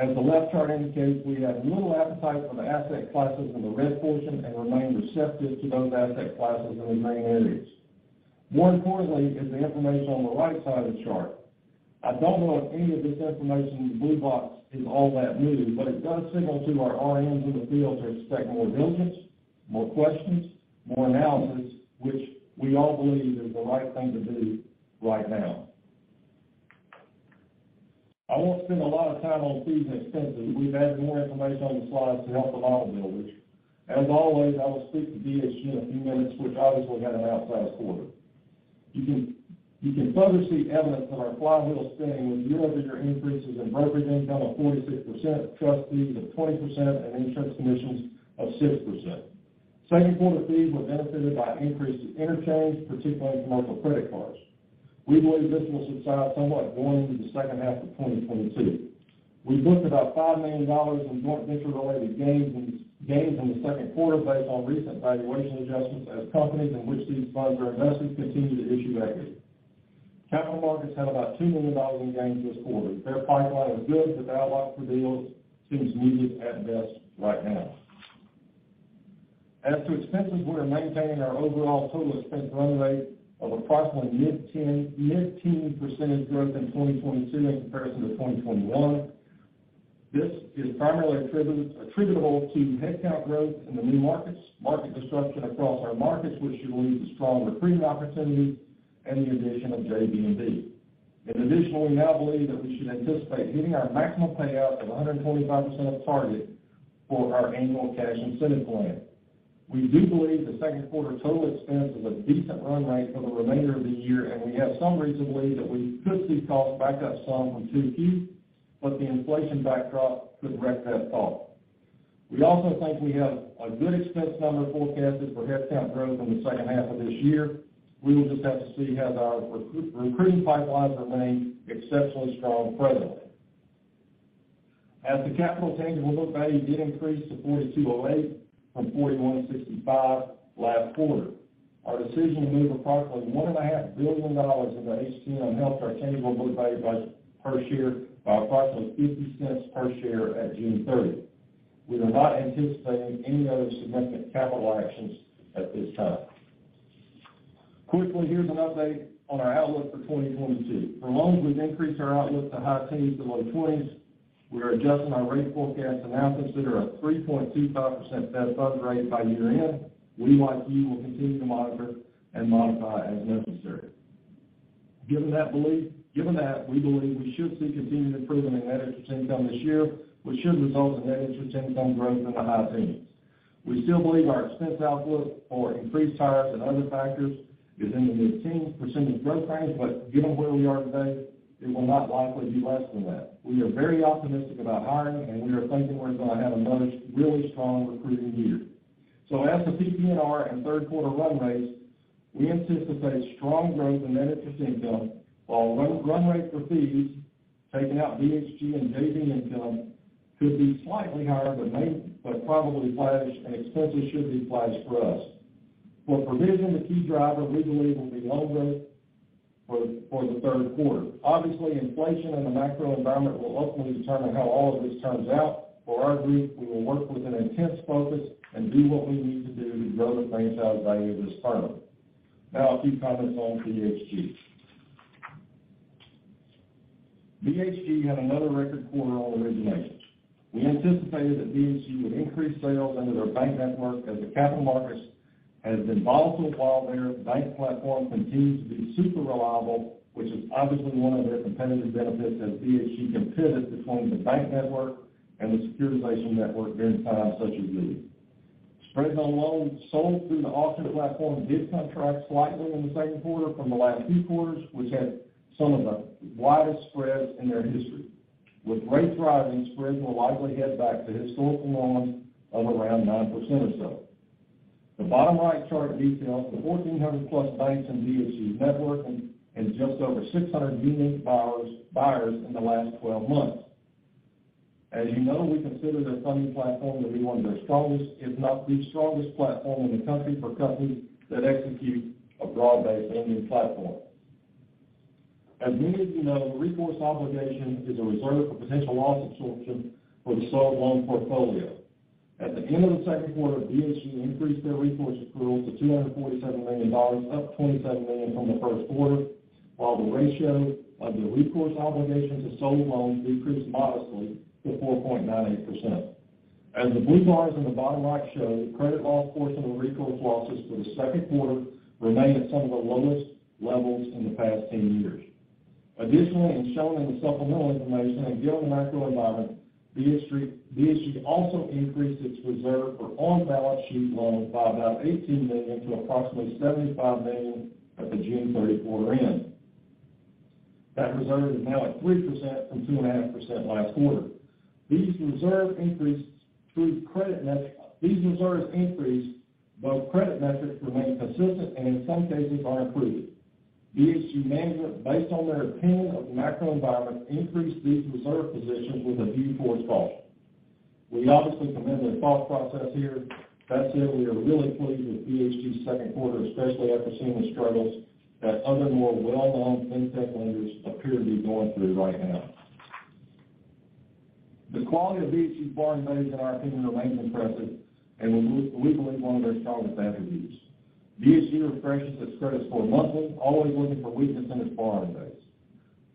As the left chart indicates, we have little appetite for the asset classes in the red portion and remain receptive to those asset classes in the green areas. More importantly is the information on the right side of the chart. I don't know if any of this information in the blue box is all that new, but it does signal to our RMs in the field to expect more diligence, more questions, more analysis, which we all believe is the right thing to do right now. I won't spend a lot of time on fees and expenses. We've added more information on the slides to help the model builders. As always, I will speak to BHG in a few minutes, which obviously had an outsized quarter. You can further see evidence of our flywheel spinning with year-over-year increases in brokerage income of 46%, trust fees of 20%, and insurance commissions of 6%. Second quarter fees were benefited by an increase to interchange, particularly in commercial credit cards. We believe this will subside somewhat going into the second half of 2022. We booked about $5 million in joint venture-related gains in the second quarter based on recent valuation adjustments as companies in which these funds are invested continue to issue equity. Capital markets had about $2 million in gains this quarter. Their pipeline is good, but appetite for deals seems muted at best right now. As to expenses, we are maintaining our overall total expense run rate of approximately mid-teens percent growth in 2022 in comparison to 2021. This is primarily attributable to headcount growth in the new markets, market construction across our markets, which should lead to strong recruiting opportunities, and the addition of JB&B. Additionally, we now believe that we should anticipate hitting our maximum payout of 125% of target for our annual cash incentive plan. We do believe the second quarter total expense is a decent run rate for the remainder of the year, and we have some reason to believe that we could see costs back up some from 2Q, but the inflation backdrop could wreck that thought. We also think we have a good expense number forecasted for headcount growth in the second half of this year. We will just have to see how our recruiting pipelines remain exceptionally strong presently. As to capital, tangible book value did increase to $42.08 from $41.65 last quarter. Our decision to move approximately $1.5 billion into HTM helped our tangible book value per share by approximately $0.50 per share at June 30. We are not anticipating any other significant capital actions at this time. Quickly, here's an update on our outlook for 2022. For loans, we've increased our outlook to high teens and low twenties. We are adjusting our rate forecast to now consider a 3.25% Fed funds rate by year-end. We, like you, will continue to monitor and modify as necessary. Given that belief, we believe we should see continued improvement in net interest income this year, which should result in net interest income growth in the high teens. We still believe our expense outlook for increased hires and other factors is in the mid-teens growth range, but given where we are today, it will not likely be less than that. We are very optimistic about hiring, and we are thinking we're going to have another really strong recruiting year. As to PPNR and third quarter run rates, we anticipate strong growth in net interest income, while run rate for fees, taking out BHG and JB income, could be slightly higher, but probably flat-ish, and expenses should be flat-ish for us. For provision, the key driver we believe will be loan growth for the third quarter. Obviously, inflation and the macro environment will ultimately determine how all of this turns out. For our group, we will work with an intense focus and do what we need to do to grow the franchise value of this firm. Now a few comments on BHG. BHG had another record quarter on originations. We anticipated that BHG would increase sales into their bank network as the capital markets has been volatile, while their bank platform continues to be super reliable, which is obviously one of their competitive benefits as BHG can pivot between the bank network and the securitization network during times such as these. Spreads on loans sold through the auction platform did contract slightly in the second quarter from the last two quarters, which had some of the widest spreads in their history. With rates rising, spreads will likely head back to historical norms of around 9% or so. The bottom right chart details the 1,400+ banks in BHG's network and just over 600 unique buyers in the last 12 months. As you know, we consider their funding platform to be one of their strongest, if not the strongest platform in the country for companies that execute a broad-based lending platform. As many of you know, recourse obligation is a reserve for potential loss absorption for the sold loan portfolio. At the end of the second quarter, BHG increased their recourse accrual to $247 million, up $27 million from the first quarter, while the ratio of the recourse obligation to sold loans decreased modestly to 4.98%. As the blue lines in the bottom right show, credit loss costs and recourse losses for the second quarter remain at some of the lowest levels in the past 10 years. Additionally, as shown in the supplemental information, and given the macro environment, BHG also increased its reserve for on-balance sheet loans by about $18 million to approximately $75 million at the June 30 quarter end. That reserve is now at 3% from 2.5% last quarter. These reserves increase, while credit metrics remain consistent and in some cases are improving. BHG management, based on their opinion of the macro environment, increased these reserve positions with a view towards fall. We obviously commend their thought process here. That said, we are really pleased with BHG's second quarter, especially after seeing the struggles that other more well-known fintech lenders appear to be going through right now. The quality of BHG's borrowing base, in our opinion, remains impressive and we believe one of their strongest attributes. BHG refreshes its credits monthly, always looking for weakness in its borrowing base.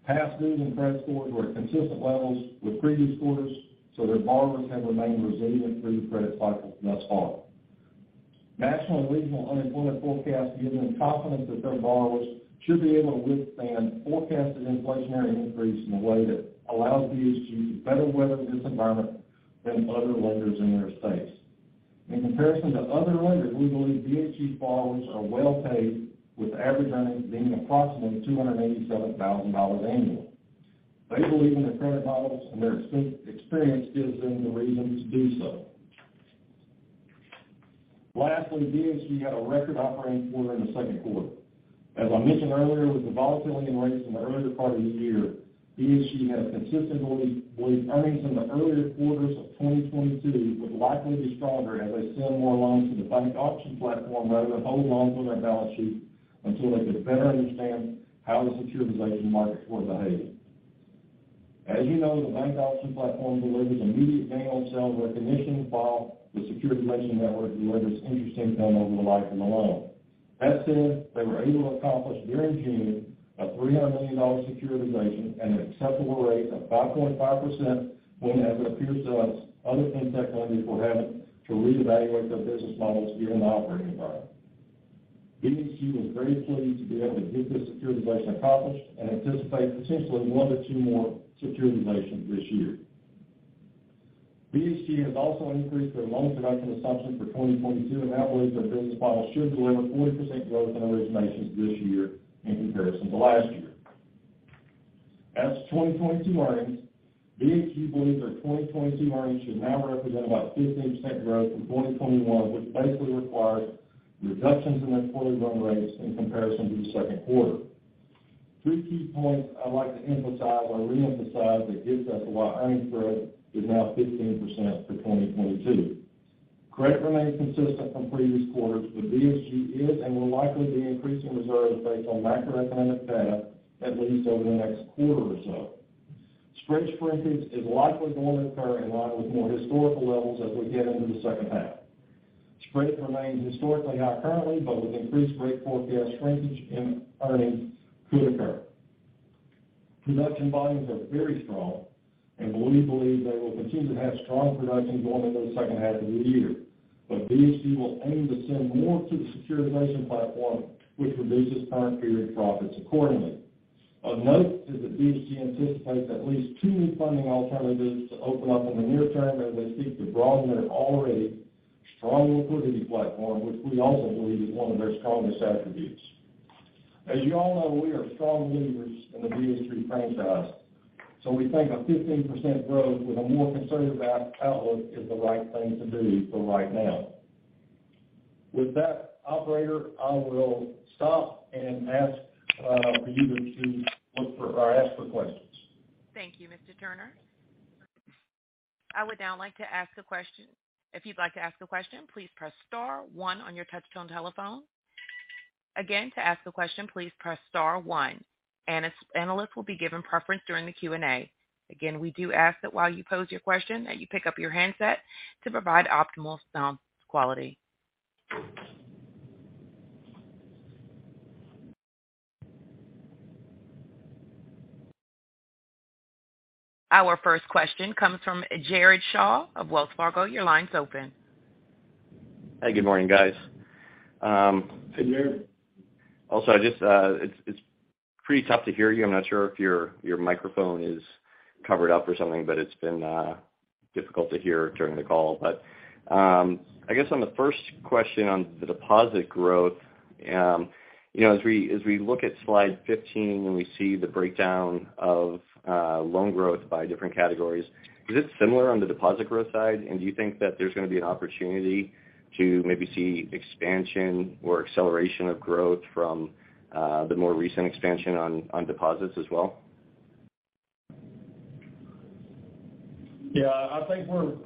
Past due and credit scores were at consistent levels with previous quarters, so their borrowers have remained resilient through the credit cycle thus far. National and regional unemployment forecasts give them confidence that their borrowers should be able to withstand forecasted inflationary increase in a way that allows BHG to better weather this environment than other lenders in their space. In comparison to other lenders, we believe BHG borrowers are well paid, with the average earnings being approximately $287,000 annually. They believe in their credit models, and their experience gives them the reason to do so. Lastly, BHG had a record operating quarter in the second quarter. As I mentioned earlier, with the volatility in rates in the earlier part of the year, BHG had consistently believed earnings in the earlier quarters of 2022 would likely be stronger as they sell more loans to the bank auction platform rather than hold loans on their balance sheet until they could better understand how the securitization markets were behaving. As you know, the bank auction platform delivers immediate gain on sale recognition, while the securitization network delivers interest income over the life of the loan. That said, they were able to accomplish during June a $300 million securitization at an acceptable rate of 5.5% when, as it appears to us, other fintech lenders were having to reevaluate their business models given the operating environment. BHG was very pleased to be able to get this securitization accomplished and anticipate potentially 1-2 more securitizations this year. BHG has also increased their loan production assumption for 2022 and now believe their business model should deliver 40% growth in originations this year in comparison to last year. As to 2022 earnings, BHG believes their 2022 earnings should now represent about 15% growth from 2021, which basically requires reductions in their quarterly run rates in comparison to the second quarter. Three key points I'd like to emphasize or reemphasize that gets us to why earnings growth is now 15% for 2022. Credit remains consistent from previous quarters, but BHG is and will likely be increasing reserves based on macroeconomic data, at least over the next quarter or so. Spread shrinkage is likely going to occur in line with more historical levels as we get into the second half. Spread remains historically high currently, but with increased rate forecast shrinkage in earnings could occur. Production volumes are very strong, and we believe they will continue to have strong production going into the second half of the year. BHG will aim to send more to the securitization platform, which reduces current period profits accordingly. Of note is that BHG anticipates at least two new funding alternatives to open up in the near term as they seek to broaden their already strong liquidity platform, which we also believe is one of their strongest attributes. As you all know, we are strong believers in the BHG franchise, so we think a 15% growth with a more conservative outlook is the right thing to do for right now. With that, operator, I will stop and ask for you to look for or ask for questions. Thank you, Mr. Turner. I would now like to ask a question. If you'd like to ask a question, please press star one on your touch-tone telephone. Again, to ask a question, please press star one. Analysts will be given preference during the Q&A. Again, we do ask that while you pose your question, that you pick up your handset to provide optimal sound quality. Our first question comes from Jared Shaw of Wells Fargo. Your line's open. Hey, good morning, guys. Hey, Jared. I just, it's pretty tough to hear you. I'm not sure if your microphone is covered up or something, but it's been difficult to hear during the call. I guess on the first question on the deposit growth, you know, as we look at slide 15 and we see the breakdown of loan growth by different categories, is it similar on the deposit growth side? Do you think that there's going to be an opportunity to maybe see expansion or acceleration of growth from the more recent expansion on deposits as well? Yeah, I think we're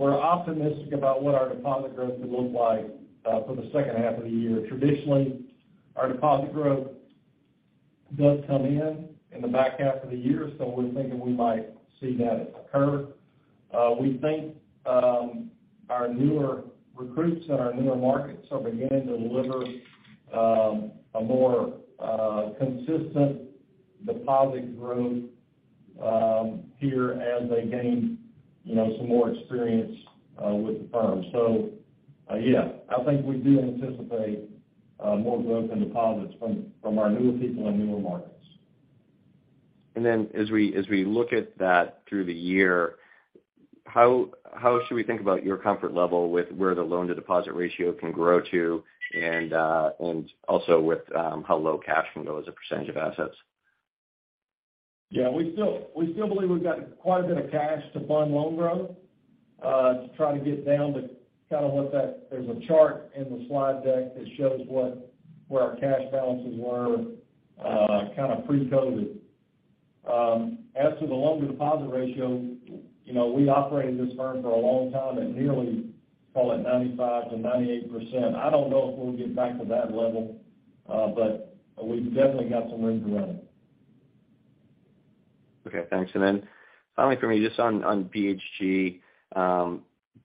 optimistic about what our deposit growth could look like for the second half of the year. Traditionally, our deposit growth does come in the back half of the year, so we're thinking we might see that occur. We think our newer recruits in our newer markets are beginning to deliver a more consistent deposit growth here as they gain, you know, some more experience with the firm. I think we do anticipate more growth in deposits from our newer people and newer markets. Then as we look at that through the year, how should we think about your comfort level with where the loan to deposit ratio can grow to and also with how low cash can go as a percentage of assets? Yeah, we still believe we've got quite a bit of cash to fund loan growth, to try to get down to kind of what that. There's a chart in the slide deck that shows what, where our cash balances were, kind of pre-COVID. As to the loan to deposit ratio, you know, we operated this firm for a long time at nearly, call it 95%-98%. I don't know if we'll get back to that level, but we've definitely got some room to run. Okay, thanks. Finally for me, just on BHG.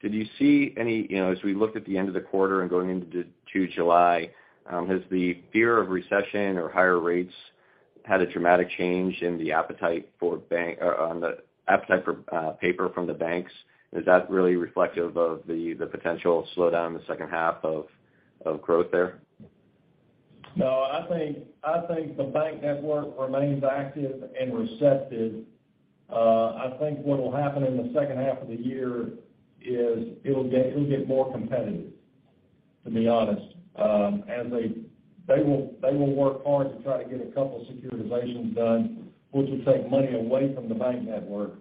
Did you see any, you know, as we looked at the end of the quarter and going into July, has the fear of recession or higher rates had a dramatic change in the appetite for paper from the banks? Is that really reflective of the potential slowdown in the second half of growth there? No, I think the bank network remains active and receptive. I think what will happen in the second half of the year is it'll get more competitive, to be honest. As they will work hard to try to get a couple securitizations done, which will take money away from the bank network.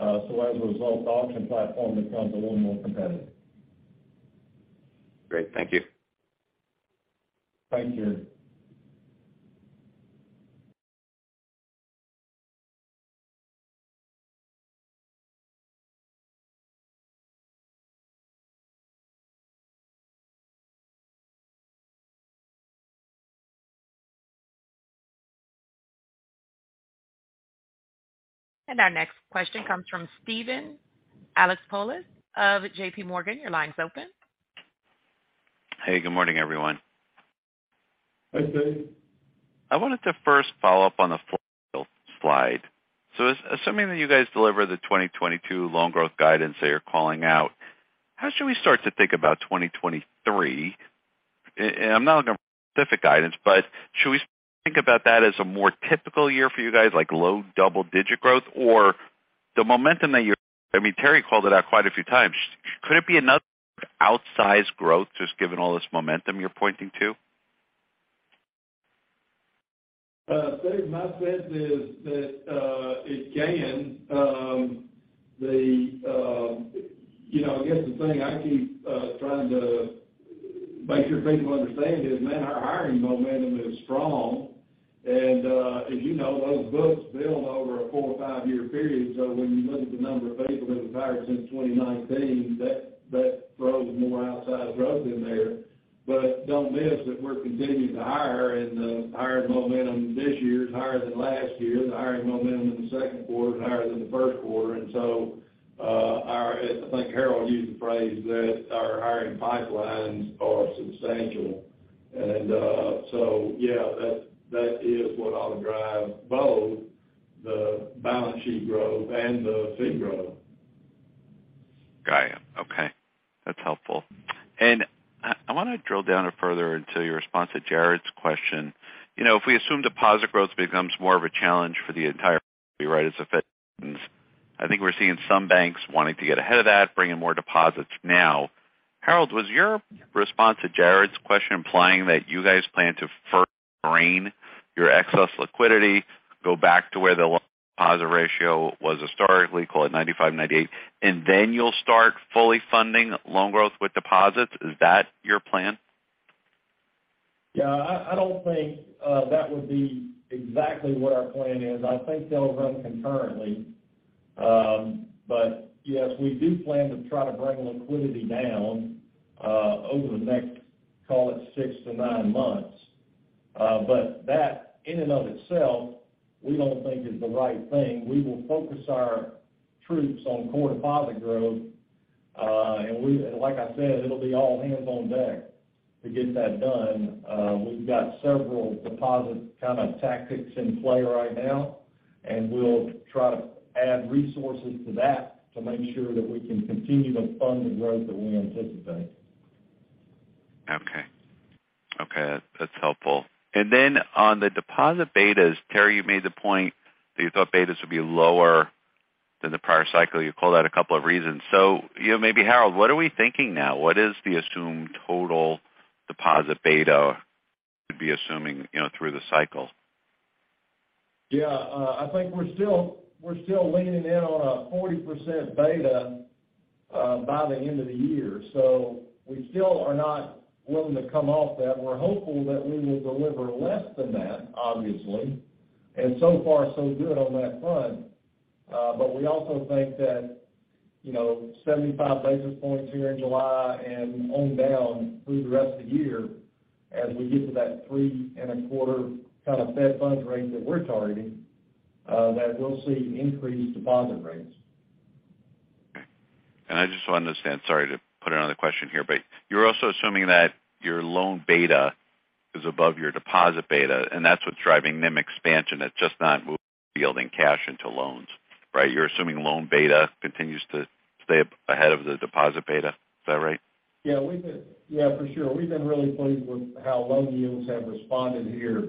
As a result, the auction platform becomes a little more competitive. Great. Thank you. Thank you. Our next question comes from Steven Alexopoulos of J.P. Morgan. Your line's open. Hey, good morning, everyone. Hi, Steve. I wanted to first follow up on the slide. Assuming that you guys deliver the 2022 loan growth guidance that you're calling out, how should we start to think about 2023? I'm not looking for specific guidance, but should we think about that as a more typical year for you guys, like low double-digit growth? The momentum that you're, I mean, Terry called it out quite a few times. Could it be another outsized growth just given all this momentum you're pointing to? Steve, my sense is that it can. You know, I guess the thing I keep trying to make sure people understand is, man, our hiring momentum is strong. As you know, those books build over a four- or five-year period. When you look at the number of people that we've hired since 2019, that throws more outsized growth in there. Don't miss that we're continuing to hire, and the hiring momentum this year is higher than last year. The hiring momentum in the second quarter is higher than the first quarter. I think Harold used the phrase that our hiring pipelines are substantial. Yeah, that is what ought to drive both the balance sheet growth and the fee growth. Got you. Okay. That's helpful. I wanna drill down further into your response to Jared's question. You know, if we assume deposit growth becomes more of a challenge for the entire industry as I think we're seeing some banks wanting to get ahead of that, bringing more deposits now. Harold, was your response to Jared's question implying that you guys plan to first rein in your excess liquidity, go back to where the deposit ratio was historically, call it 95%-98%, and then you'll start fully funding loan growth with deposits? Is that your plan? Yeah. I don't think that would be exactly what our plan is. I think they'll run concurrently. Yes, we do plan to try to bring liquidity down over the next, call it, six to nine months. That in and of itself, we don't think is the right thing. We will focus our troops on core deposit growth. Like I said, it'll be all hands on deck to get that done. We've got several deposit kind of tactics in play right now, and we'll try to add resources to that to make sure that we can continue to fund the growth that we anticipate. Okay. That's helpful. On the deposit betas, Terry, you made the point that you thought betas would be lower than the prior cycle. You called out a couple of reasons. You know, maybe Harold, what are we thinking now? What is the assumed total deposit beta we should be assuming, you know, through the cycle? Yeah. I think we're still leaning in on a 40% beta by the end of the year. We still are not willing to come off that. We're hopeful that we will deliver less than that, obviously. So far, so good on that front. We also think that 75 basis points here in July and on down through the rest of the year as we get to that 3.25 kind of Fed funds rate that we're targeting, that we'll see increased deposit rates. I just want to understand, sorry to put another question here, but you're also assuming that your loan beta is above your deposit beta, and that's what's driving NIM expansion. It's just not moving yielding cash into loans, right? You're assuming loan beta continues to stay up ahead of the deposit beta. Is that right? Yeah, for sure. We've been really pleased with how loan yields have responded here,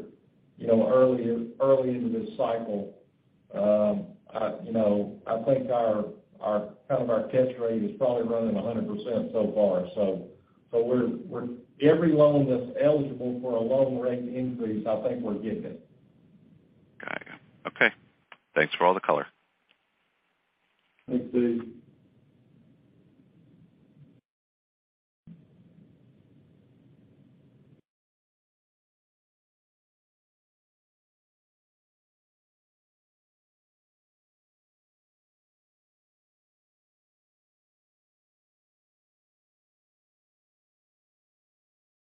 you know, early into this cycle. You know, I think our kind of capture rate is probably running 100% so far. We're every loan that's eligible for a loan rate increase, I think we're getting it. Got you. Okay. Thanks for all the color. Thanks, Steve.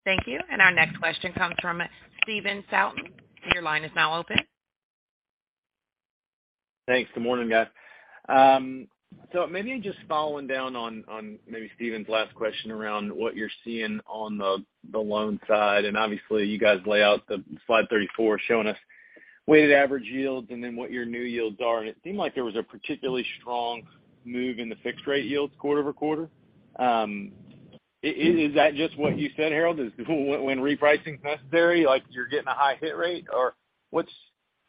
Thank you. Our next question comes from Stephen Scouten. Your line is now open. Thanks. Good morning, guys. Maybe just following up on maybe Steven's last question around what you're seeing on the loan side. Obviously, you guys lay out the slide 34 showing us weighted average yields and then what your new yields are. It seemed like there was a particularly strong move in the fixed rate yields quarter-over-quarter. Is that just what you said, Harold? Is it when repricing is necessary, like, you're getting a high hit rate or what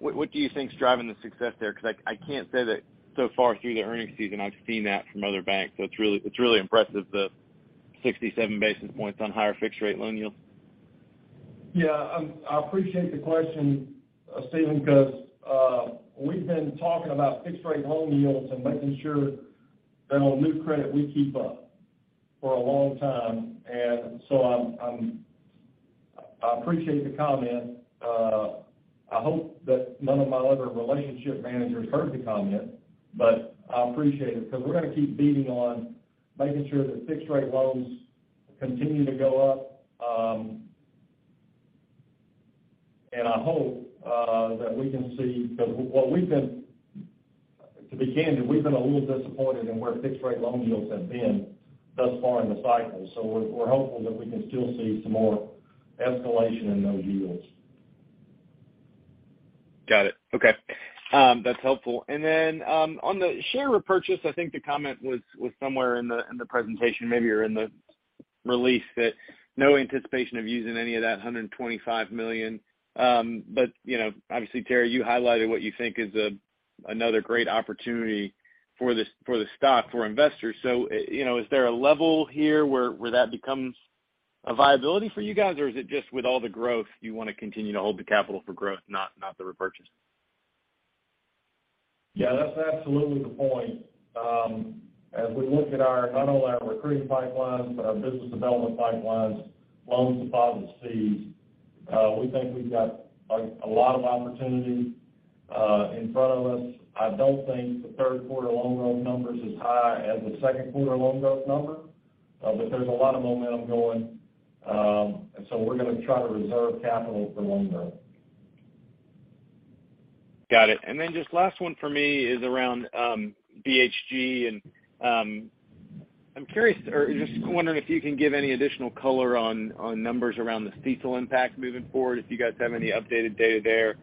do you think is driving the success there? Because I can't say that so far through the earnings season, I've seen that from other banks. It's really impressive, the 67 basis points on higher fixed rate loan yields. Yeah. I appreciate the question, Stephen, because we've been talking about fixed rate loan yields and making sure that on new credit, we keep up for a long time. I appreciate the comment. I hope that none of my other relationship managers heard the comment, but I appreciate it because we're going to keep beating on making sure that fixed rate loans continue to go up. I hope that we can see. Because to be candid, we've been a little disappointed in where fixed rate loan yields have been thus far in the cycle. We're hopeful that we can still see some more escalation in those yields. Got it. Okay. That's helpful. On the share repurchase, I think the comment was somewhere in the presentation, maybe or in the release that no anticipation of using any of that $125 million. You know, obviously, Terry, you highlighted what you think is another great opportunity for this, for the stock, for investors. You know, is there a level here where that becomes a viability for you guys? Or is it just with all the growth, you want to continue to hold the capital for growth, not the repurchase? Yeah, that's absolutely the point. As we look at not only our recruiting pipelines, but our business development pipelines, loan deposit fees, we think we've got a lot of opportunity in front of us. I don't think the third quarter loan growth number is as high as the second quarter loan growth number, but there's a lot of momentum going. We're going to try to reserve capital for loan growth. Got it. Just last one for me is around BHG. I'm curious or just wondering if you can give any additional color on numbers around the CECL impact moving forward, if you guys have any updated data there.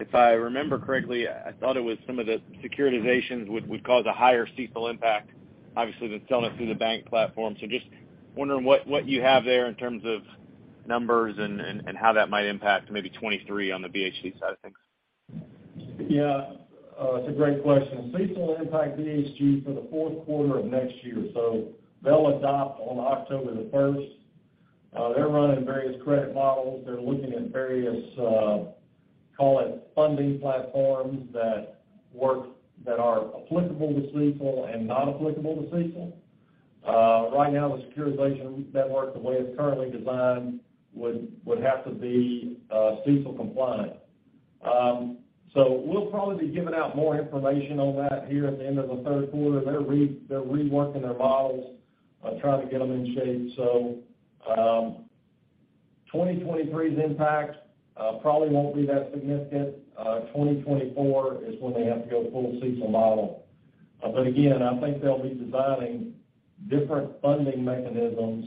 If I remember correctly, I thought it was some of the securitizations would cause a higher CECL impact, obviously, than selling it through the bank platform. Just wondering what you have there in terms of numbers and how that might impact maybe 2023 on the BHG side of things. Yeah. It's a great question. CECL will impact BHG for the fourth quarter of next year. They'll adopt on October the first. They're running various credit models. They're looking at various, call it funding platforms that work, that are applicable to CECL and not applicable to CECL. Right now, the securitization that works the way it's currently designed would have to be CECL compliant. We'll probably be giving out more information on that here at the end of the third quarter. They're reworking their models, trying to get them in shape. 2023's impact probably won't be that significant. 2024 is when they have to go the full CECL model. Again, I think they'll be designing different funding mechanisms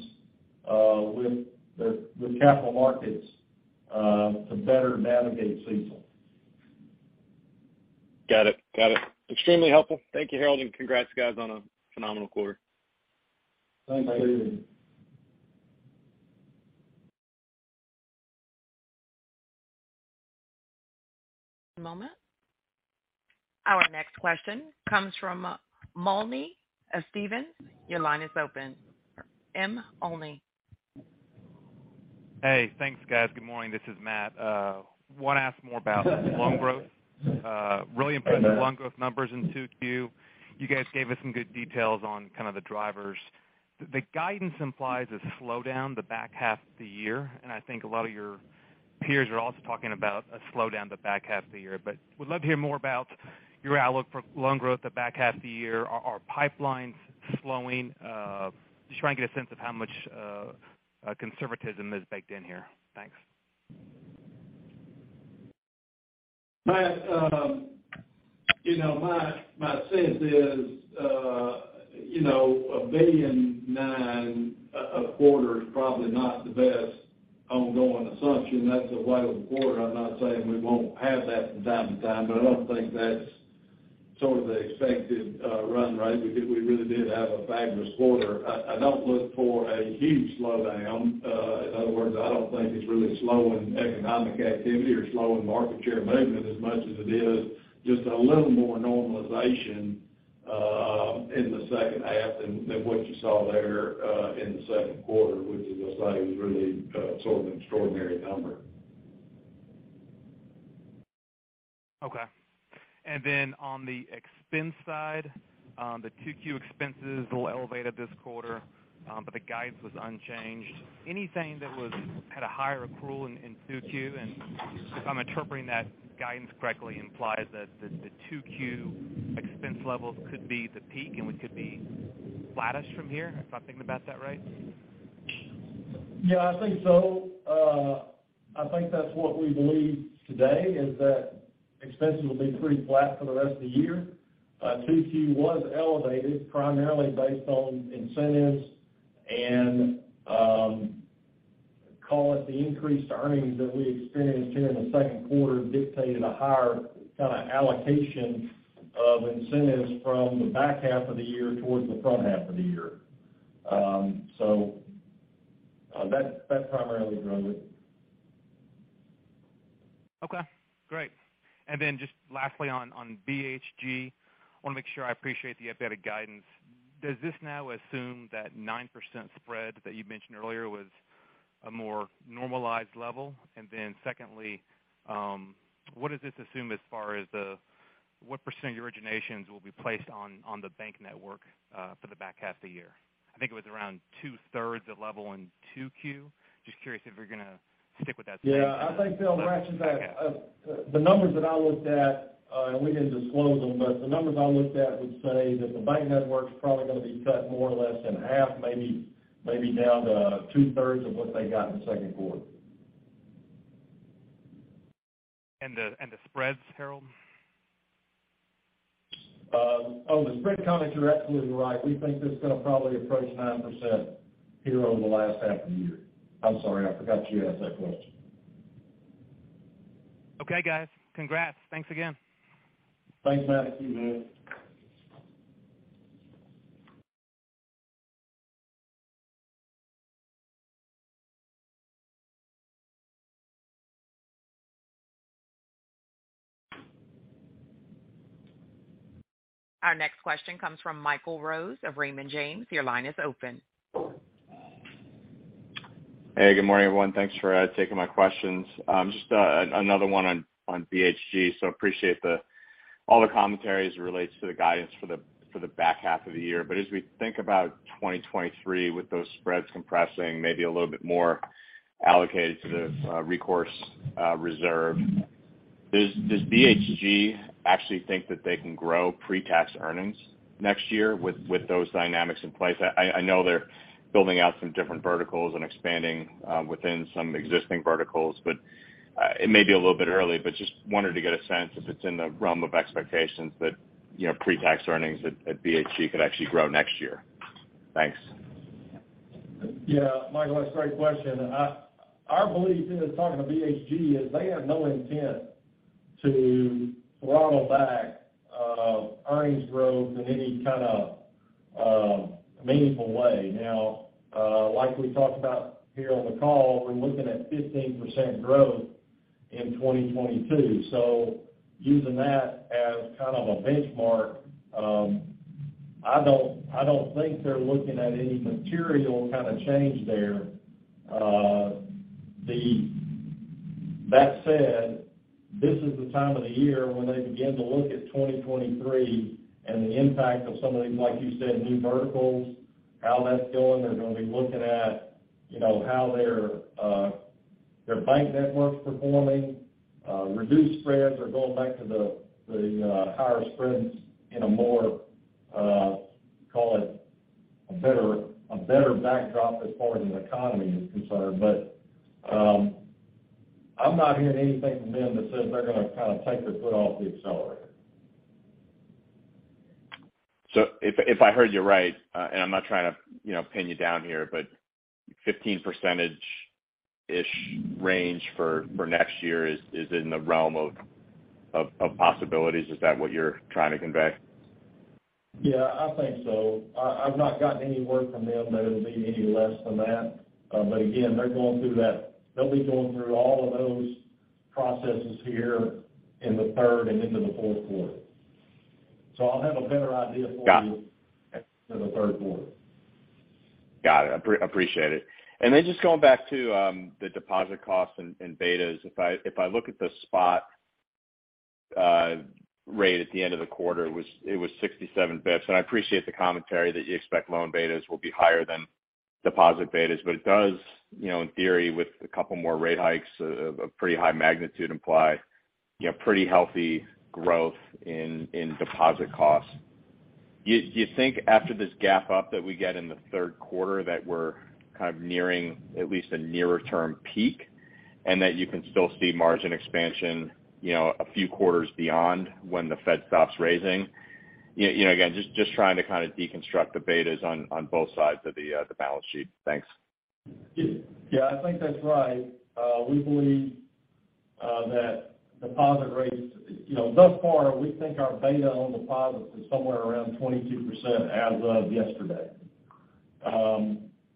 with the capital markets to better navigate CECL. Got it. Extremely helpful. Thank you, Harold, and congrats, guys, on a phenomenal quarter. Thanks, Steven. One moment. Our next question comes from Matt Olney. Your line is open. M. Olney. Hey, thanks, guys. Good morning. This is Matt. Want to ask more about loan growth. Really impressive loan growth numbers in 2Q. You guys gave us some good details on kind of the drivers. The guidance implies a slowdown the back half of the year, and I think a lot of your peers are also talking about a slowdown the back half of the year. Would love to hear more about your outlook for loan growth the back half of the year. Are pipelines slowing? Just trying to get a sense of how much conservatism is baked in here. Thanks. Matt, you know, my sense is, you know, $1.9 billion a quarter is probably not the best ongoing assumption. That's a whale of a quarter. I'm not saying we won't have that from time to time, but I don't think that's sort of the expected run rate. We really did have a fabulous quarter. I don't look for a huge slowdown. In other words, I don't think it's really slowing economic activity or slowing market share movement as much as it is just a little more normalization in the second half than what you saw there in the second quarter, which, as I say, was really sort of an extraordinary number. Okay. Then on the expense side, the 2Q expenses were elevated this quarter, but the guidance was unchanged. Anything that was at a higher accrual in 2Q? If I'm interpreting that guidance correctly, implies that the 2Q expense levels could be the peak, and we could be flattish from here. Am I thinking about that right? Yeah, I think so. I think that's what we believe today, is that expenses will be pretty flat for the rest of the year. 2Q was elevated primarily based on incentives and call it the increased earnings that we experienced here in the second quarter dictated a higher kind of allocation of incentives from the back half of the year towards the front half of the year. That primarily drove it. Okay, great. Just lastly on BHG, want to make sure I appreciate the updated guidance. Does this now assume that 9% spread that you mentioned earlier was a more normalized level? Secondly, what does this assume as far as what % of your originations will be placed on the bank network for the back half of the year? I think it was around two-thirds that level in 2Q. Just curious if you're gonna stick with that same- Yeah, I think, Phil, actually that, the numbers that I looked at, and we didn't disclose them, but the numbers I looked at would say that the bank network's probably gonna be cut more or less to half, maybe down to two-thirds of what they got in the second quarter. The spreads, Harold? On the spread comment, you're absolutely right. We think it's gonna probably approach 9% here over the last half of the year. I'm sorry, I forgot you asked that question. Okay, guys. Congrats. Thanks again. Thanks, Matt. Thank you, Matt. Our next question comes from Michael Rose of Raymond James. Your line is open. Hey, good morning, everyone. Thanks for taking my questions. Just another one on BHG. Appreciate all the commentary as it relates to the guidance for the back half of the year. But as we think about 2023 with those spreads compressing maybe a little bit more allocated to the recourse reserve, does BHG actually think that they can grow pre-tax earnings next year with those dynamics in place? I know they're building out some different verticals and expanding within some existing verticals, but it may be a little bit early, but just wanted to get a sense if it's in the realm of expectations that, you know, pre-tax earnings at BHG could actually grow next year. Thanks. Yeah. Michael, that's a great question. Our belief in talking to BHG is they have no intent to throttle back earnings growth in any kind of meaningful way. Now, like we talked about here on the call, we're looking at 15% growth in 2022. So using that as kind of a benchmark, I don't think they're looking at any material kind of change there. That said, this is the time of the year when they begin to look at 2023 and the impact of some of these, like you said, new verticals, how that's doing. They're gonna be looking at, you know, how their bank network's performing. Reduced spreads are going back to higher spreads in a more call it a better backdrop as far as the economy is concerned. I'm not hearing anything from them that says they're gonna kind of take their foot off the accelerator. If I heard you right, and I'm not trying to, you know, pin you down here, but 15 percentage is range for next year is in the realm of possibilities. Is that what you're trying to convey? Yeah, I think so. I've not gotten any word from them that it'll be any less than that. Again, they're going through that. They'll be going through all of those processes here in the third and into the fourth quarter. I'll have a better idea for you. Got it. in the third quarter. Got it. Appreciate it. Just going back to the deposit costs and betas. If I look at the spot rate at the end of the quarter, it was 67 basis points. I appreciate the commentary that you expect loan betas will be higher than deposit betas. It does, you know, in theory, with a couple more rate hikes of pretty high magnitude imply, you know, pretty healthy growth in deposit costs. You think after this gap up that we get in the third quarter that we're kind of nearing at least a nearer term peak, and that you can still see margin expansion, you know, a few quarters beyond when the Fed stops raising? You know, again, just trying to kind of deconstruct the betas on both sides of the balance sheet. Thanks. Yeah, I think that's right. We believe that deposit rates, you know, thus far, we think our beta on deposits is somewhere around 22% as of yesterday.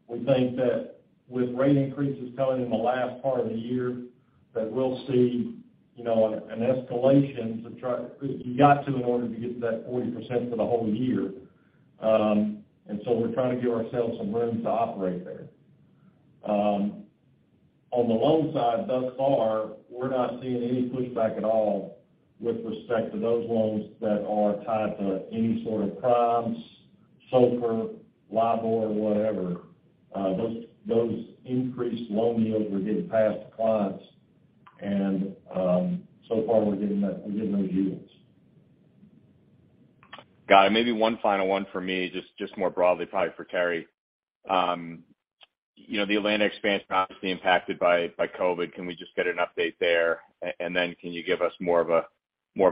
We think that with rate increases coming in the last part of the year, that we'll see, you know, an escalation in order to get to that 40% for the whole year. We're trying to give ourselves some room to operate there. On the loan side, thus far, we're not seeing any pushback at all with respect to those loans that are tied to any sort of primes, SOFR, LIBOR, whatever. Those increased loan yields we're passing to the clients, and so far, we get no pushback. Got it. Maybe one final one for me, just more broadly, probably for Terry. You know, the Atlanta expansion obviously impacted by COVID. Can we just get an update there? And then can you give us more of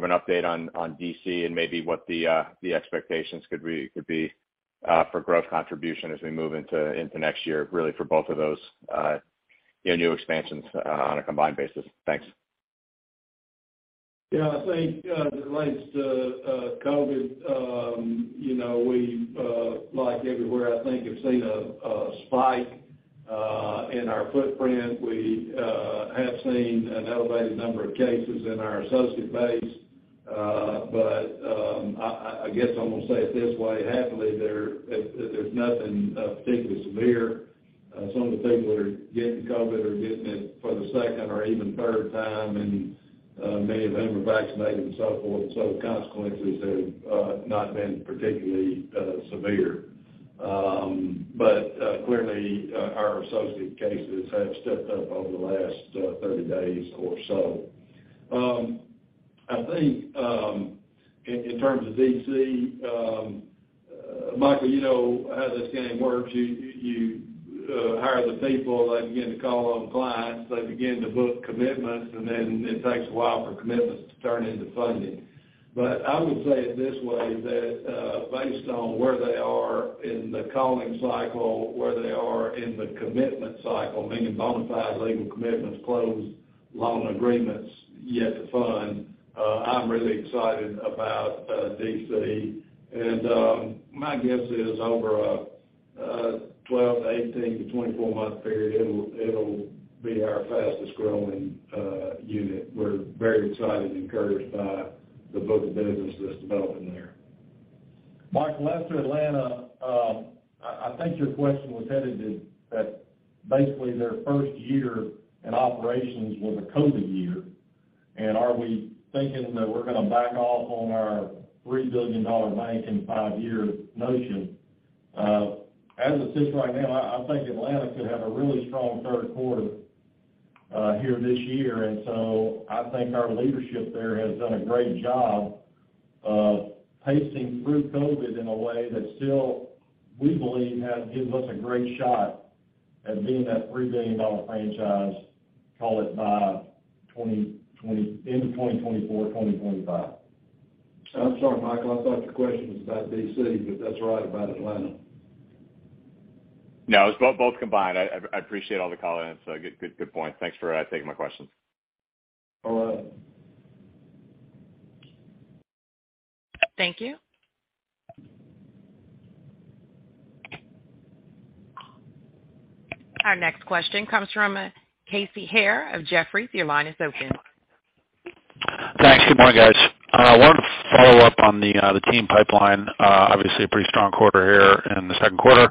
an update on D.C. and maybe what the expectations could be for growth contribution as we move into next year, really for both of those, you know, new expansions on a combined basis. Thanks. Yeah, I think relates to COVID. You know, we, like everywhere, I think have seen a spike in our footprint. We have seen an elevated number of cases in our associate base. I guess I'm gonna say it this way, happily, there's nothing particularly severe. Some of the people that are getting COVID are getting it for the second or even third time, and many of them are vaccinated and so forth. The consequences have not been particularly severe. Clearly, our associate cases have stepped up over the last 30 days or so. I think in terms of D.C., Michael, you know how this game works. You hire the people, they begin to call on clients, they begin to book commitments, and then it takes a while for commitments to turn into funding. I would say it this way, that based on where they are in the calling cycle, where they are in the commitment cycle, meaning bona fide legal commitments, closed loan agreements yet to fund, I'm really excited about D.C. My guess is over a 12 to 18 to 24 month period, it'll be our fastest growing unit. We're very excited and encouraged by the book of business that's developing there. Michael Rose, as to Atlanta, I think your question was headed toward that, basically their first year in operations was a COVID year. Are we thinking that we're gonna back off on our $3 billion bank in five years notion? As it sits right now, I think Atlanta could have a really strong third quarter here this year. I think our leadership there has done a great job of pacing through COVID in a way that still, we believe, has given us a great shot at being that $3 billion franchise, call it by end of 2024, 2025. I'm sorry, Michael, I thought your question was about D.C., but that's all right, about Atlanta. No, it's both combined. I appreciate all the comments. Good point. Thanks for taking my questions. All right. Thank you. Our next question comes from Casey Haire of Jefferies. Your line is open. Thanks. Good morning, guys. Wanted to follow up on the team pipeline. Obviously a pretty strong quarter here in the second quarter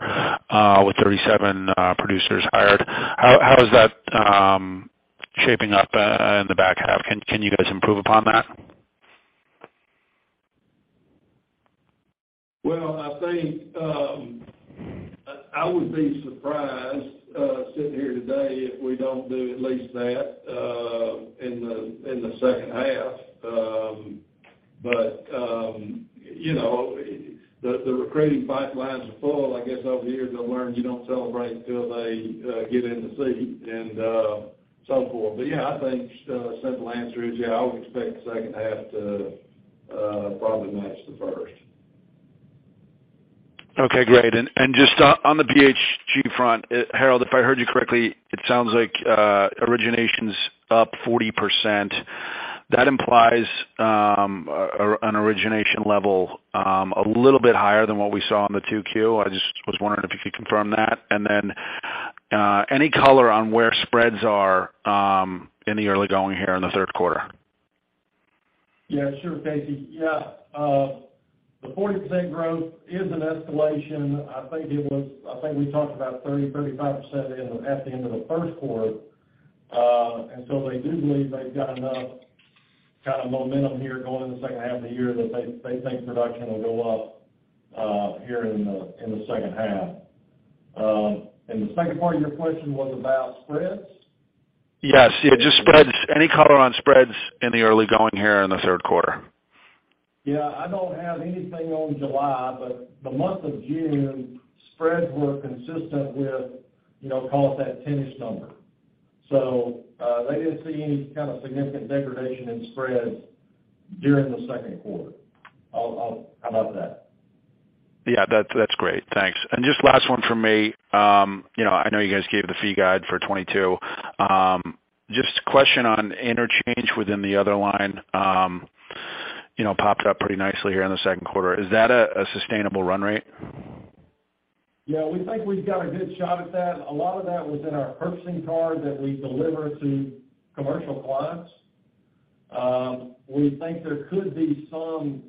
with 37 producers hired. How is that shaping up in the back half? Can you guys improve upon that? Well, I think I would be surprised sitting here today if we don't do at least that in the second half. You know, the recruiting pipelines are full. I guess over the years, they'll learn you don't celebrate until they get in the seat and so forth. Yeah, I think simple answer is, yeah, I would expect the second half to probably match the first. Okay, great. Just on the BHG front, Harold, if I heard you correctly, it sounds like origination's up 40%. That implies an origination level a little bit higher than what we saw in the 2Q. I just was wondering if you could confirm that. Then any color on where spreads are in the early going here in the third quarter? Yeah, sure, Casey. Yeah, the 40% growth is an escalation. I think we talked about 30%, 35% at the end of the first quarter. They do believe they've got enough kind of momentum here going in the second half of the year that they think production will go up here in the second half. The second part of your question was about spreads. Yes. Yeah, just spreads. Any color on spreads in the early going here in the third quarter? Yeah, I don't have anything on July, but the month of June spreads were consistent with, you know, call it that 10-ish number. They didn't see any kind of significant degradation in spreads during the second quarter. I'll come up with that. Yeah, that's great. Thanks. Just last one from me. You know, I know you guys gave the fee guide for 2022. Just a question on interchange within the other line, you know, popped up pretty nicely here in the second quarter. Is that a sustainable run rate? Yeah, we think we've got a good shot at that. A lot of that was in our purchasing card that we deliver to commercial clients. We think there could be some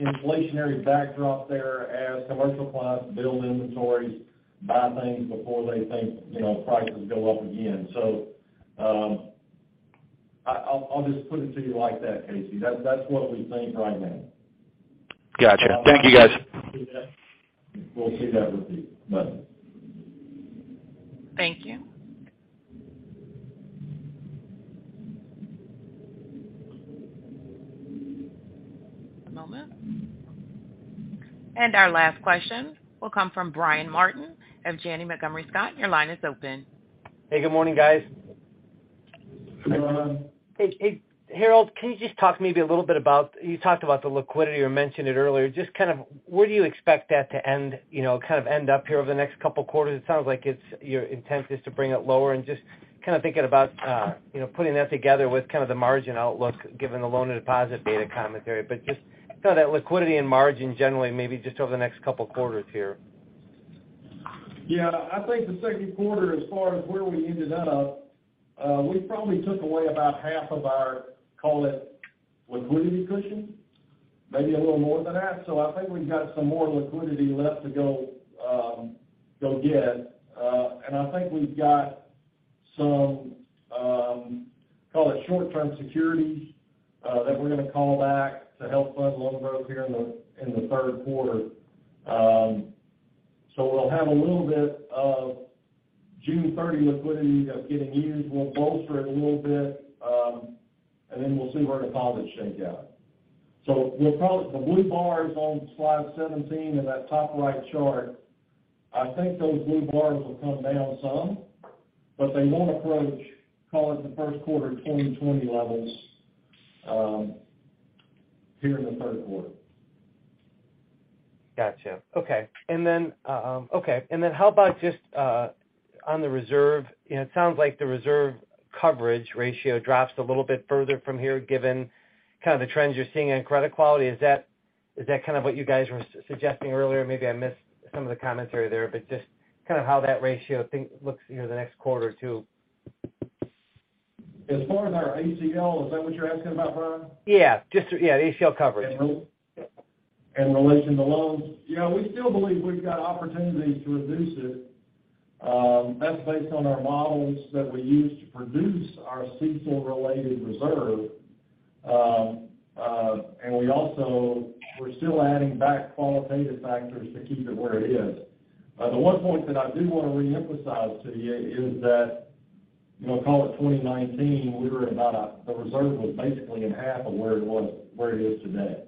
inflationary backdrop there as commercial clients build inventories, buy things before they think, you know, prices go up again. I'll just put it to you like that, Casey. That's what we think right now. Gotcha. Thank you, guys. We'll see that with you. Thank you. One moment. Our last question will come from Brian Martin of Janney Montgomery Scott. Your line is open. Hey, good morning, guys. Good morning. Hey, hey, Harold, can you just talk to me a little bit. You talked about the liquidity or mentioned it earlier. Just kind of where do you expect that to end, you know, kind of end up here over the next couple of quarters? It sounds like it's your intent is to bring it lower. Just kind of thinking about, you know, putting that together with kind of the margin outlook given the loan to deposit data commentary. Just kind of that liquidity and margin generally, maybe just over the next couple of quarters here. Yeah. I think the second quarter, as far as where we ended up, we probably took away about half of our, call it, liquidity cushion, maybe a little more than that. I think we've got some more liquidity left to go get. And I think we've got some, call it short-term securities, that we're going to call back to help fund loan growth here in the third quarter. We'll have a little bit of June 30 liquidity that's getting used. We'll bolster it a little bit, and then we'll see where deposits shake out. We'll call it the blue bars on slide 17 in that top right chart. I think those blue bars will come down some, but they won't approach, call it, the first quarter 2020 levels, here in the third quarter. Got you. Okay. How about just on the reserve? It sounds like the reserve coverage ratio drops a little bit further from here, given kind of the trends you're seeing in credit quality. Is that kind of what you guys were suggesting earlier? Maybe I missed some of the commentary there, but just kind of how that ratio looks here the next quarter or two. As far as our ACL, is that what you're asking about, Brian? Yeah. Just ACL coverage. In relation to loans? Yeah, we still believe we've got opportunity to reduce it, that's based on our models that we use to produce our CECL related reserve. We're still adding back qualitative factors to keep it where it is. The one point that I do want to re-emphasize to you is that, you know, call it 2019, the reserve was basically half of where it is today.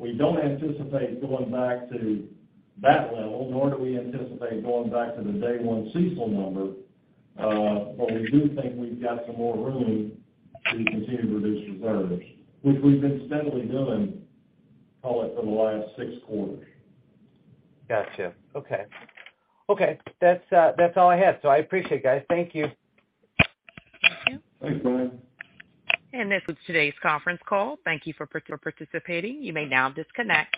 We don't anticipate going back to that level, nor do we anticipate going back to the day one CECL number. We do think we've got some more room to continue to reduce reserves, which we've been steadily doing, call it, for the last six quarters. Got you. Okay. Okay, that's all I had. I appreciate it, guys. Thank you. Thank you. Thanks, Brian. This was today's conference call. Thank you for participating. You may now disconnect.